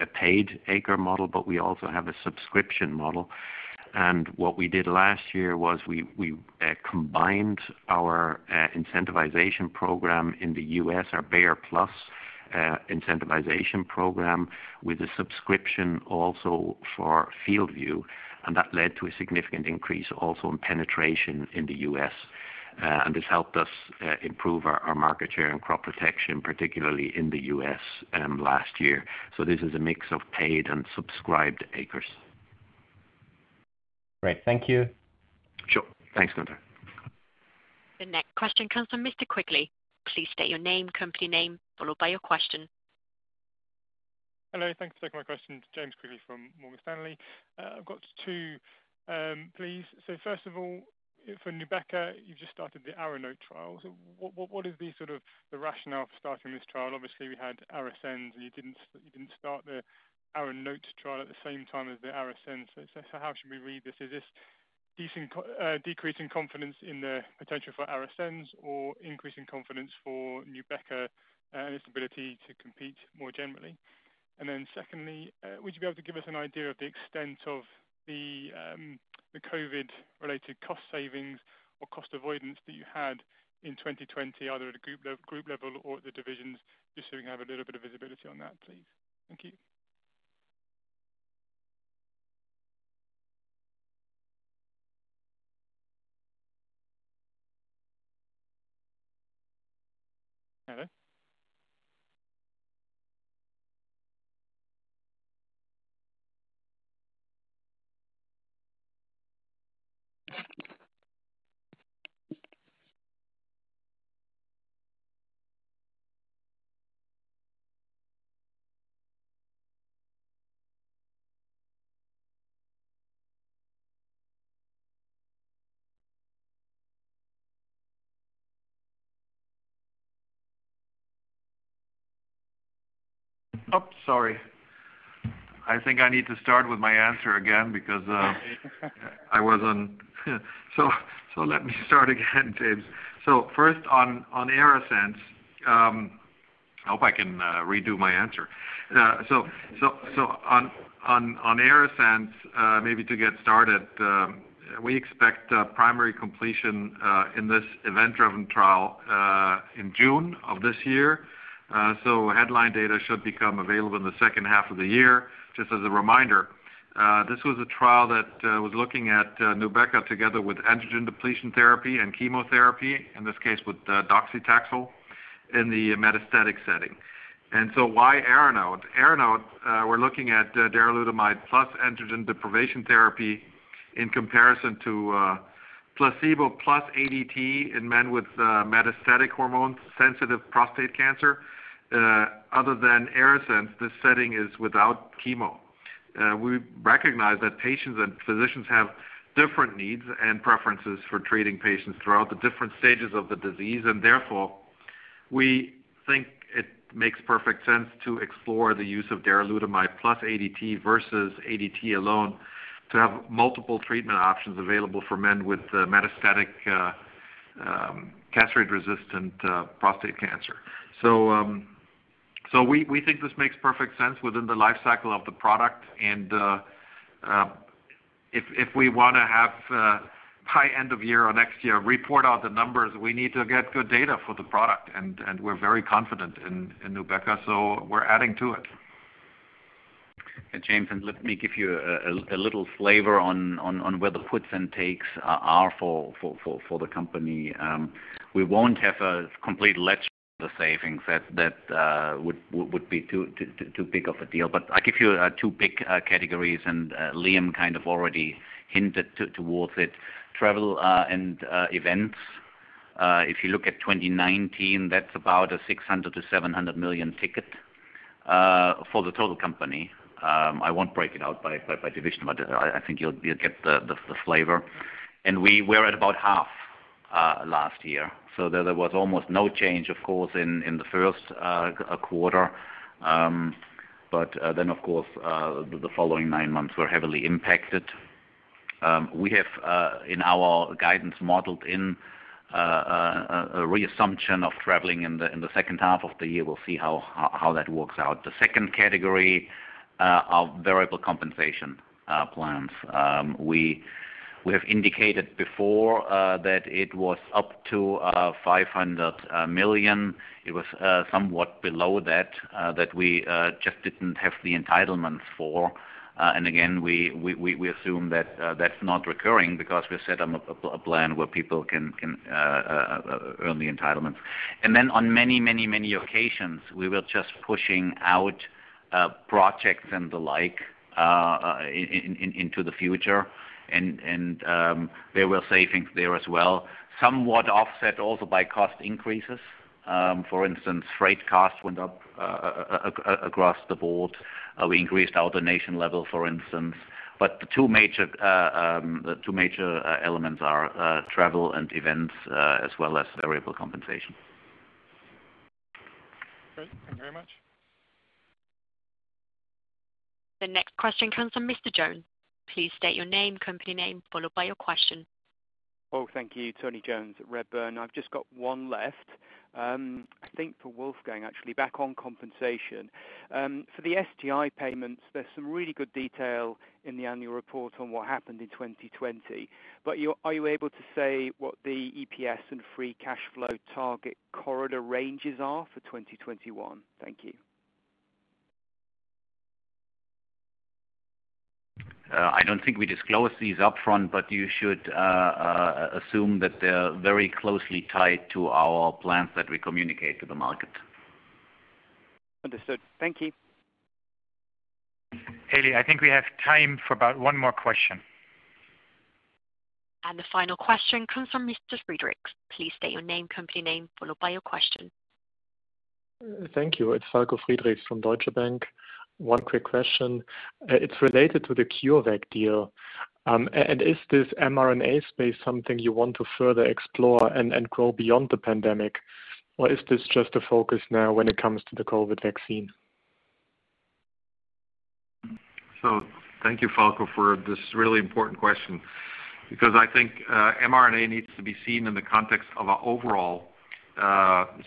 paid acre model, but we also have a subscription model. What we did last year was we combined our incentivization program in the U.S., our Bayer PLUS incentivization program, with a subscription also for FieldView, and that led to a significant increase also in penetration in the U.S. This helped us improve our market share and crop protection, particularly in the U.S. last year. This is a mix of paid and subscribed acres. Great. Thank you. Sure. Thanks, Gunther. The next question comes from Mr. Quigley. Please state your name, company name, followed by your question. Hello. Thanks for taking my question. James Quigley from Morgan Stanley. I've got two, please. First of all for Nubeqa, you've just started the ARANOTE trial. What is the rationale for starting this trial? Obviously, we had ARASENS, and you didn't start the ARANOTE trial at the same time as the ARASENS. How should we read this? Is this decreasing confidence in the potential for ARASENS or increasing confidence for Nubeqa and its ability to compete more generally? Secondly, would you be able to give us an idea of the extent of the COVID-related cost savings or cost avoidance that you had in 2020, either at the group level or at the divisions, just so we can have a little bit of visibility on that, please. Thank you. Hello? Oh, sorry. I think I need to start with my answer again. Let me start again, James. First on ARASENS. I hope I can redo my answer. On ARASENS, maybe to get started, we expect primary completion in this event-driven trial in June of this year. Headline data should become available in the second half of the year. Just as a reminder, this was a trial that was looking at Nubeqa together with androgen deprivation therapy and chemotherapy, in this case with docetaxel, in the metastatic setting. Why ARANOTE? ARANOTE, we're looking at darolutamide plus androgen deprivation therapy in comparison to placebo plus ADT in men with metastatic hormone-sensitive prostate cancer. Other than ARASENS, this setting is without chemo. We recognize that patients and physicians have different needs and preferences for treating patients throughout the different stages of the disease. Therefore, we think it makes perfect sense to explore the use of darolutamide plus ADT versus ADT alone to have multiple treatment options available for men with metastatic castrate-resistant prostate cancer. We think this makes perfect sense within the life cycle of the product. If we want to have by end of year or next year, report out the numbers, we need to get good data for the product, and we are very confident in Nubeqa, so we are adding to it. James, let me give you a little flavor on where the puts and takes are for the company. We won't have a complete ledger of the savings. That would be too big of a deal. I'll give you two big categories, Liam kind of already hinted towards it. Travel and events. If you look at 2019, that's about a 600 million-700 million ticket for the total company. I won't break it out by division, I think you'll get the flavor. We're at about half last year. There was almost no change, of course, in the first quarter. Of course, the following nine months were heavily impacted. We have, in our guidance modeled in a reassumption of traveling in the second half of the year. We'll see how that works out. The second category are variable compensation plans. We have indicated before that it was up to 500 million. It was somewhat below that we just didn't have the entitlements for. Again, we assume that that's not recurring because we set up a plan where people can earn the entitlements. On many occasions, we were just pushing out projects and the like into the future. There were savings there as well. Somewhat offset also by cost increases. For instance, freight costs went up across the board. We increased our donation level, for instance. The two major elements are travel and events as well as variable compensation. Great. Thank you very much. The next question comes from Mr. Jones. Please state your name, company name, followed by your question. Oh, thank you. Tony Jones at Redburn. I have just got one left, I think for Wolfgang, actually. Back on compensation. For the STI payments, there is some really good detail in the annual report on what happened in 2020. Are you able to say what the EPS and free cash flow target corridor ranges are for 2021? Thank you. I don't think we disclose these upfront, but you should assume that they're very closely tied to our plans that we communicate to the market. Understood. Thank you. Haley, I think we have time for about one more question. The final question comes from Mr. Friedrichs. Please state your name, company name, followed by your question. Thank you. It's Falko Friedrichs from Deutsche Bank. One quick question. It's related to the CureVac deal. Is this mRNA space something you want to further explore and grow beyond the pandemic, or is this just a focus now when it comes to the COVID vaccine? Thank you, Falko, for this really important question, because I think mRNA needs to be seen in the context of an overall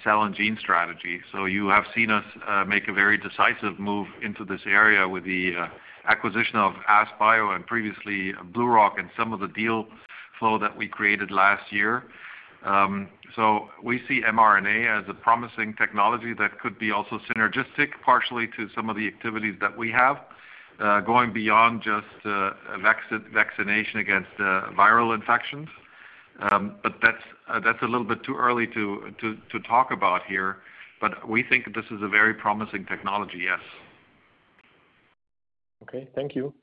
cell and gene strategy. You have seen us make a very decisive move into this area with the acquisition of AskBio and previously BlueRock and some of the deal flow that we created last year. We see mRNA as a promising technology that could be also synergistic partially to some of the activities that we have, going beyond just vaccination against viral infections. That's a little bit too early to talk about here. We think this is a very promising technology, yes. Okay. Thank you.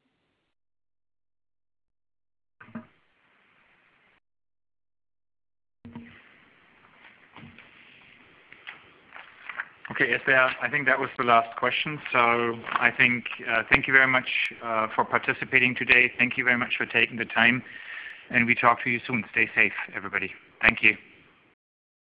Okay. I think that was the last question. Thank you very much for participating today. Thank you very much for taking the time, and we talk to you soon. Stay safe, everybody. Thank you.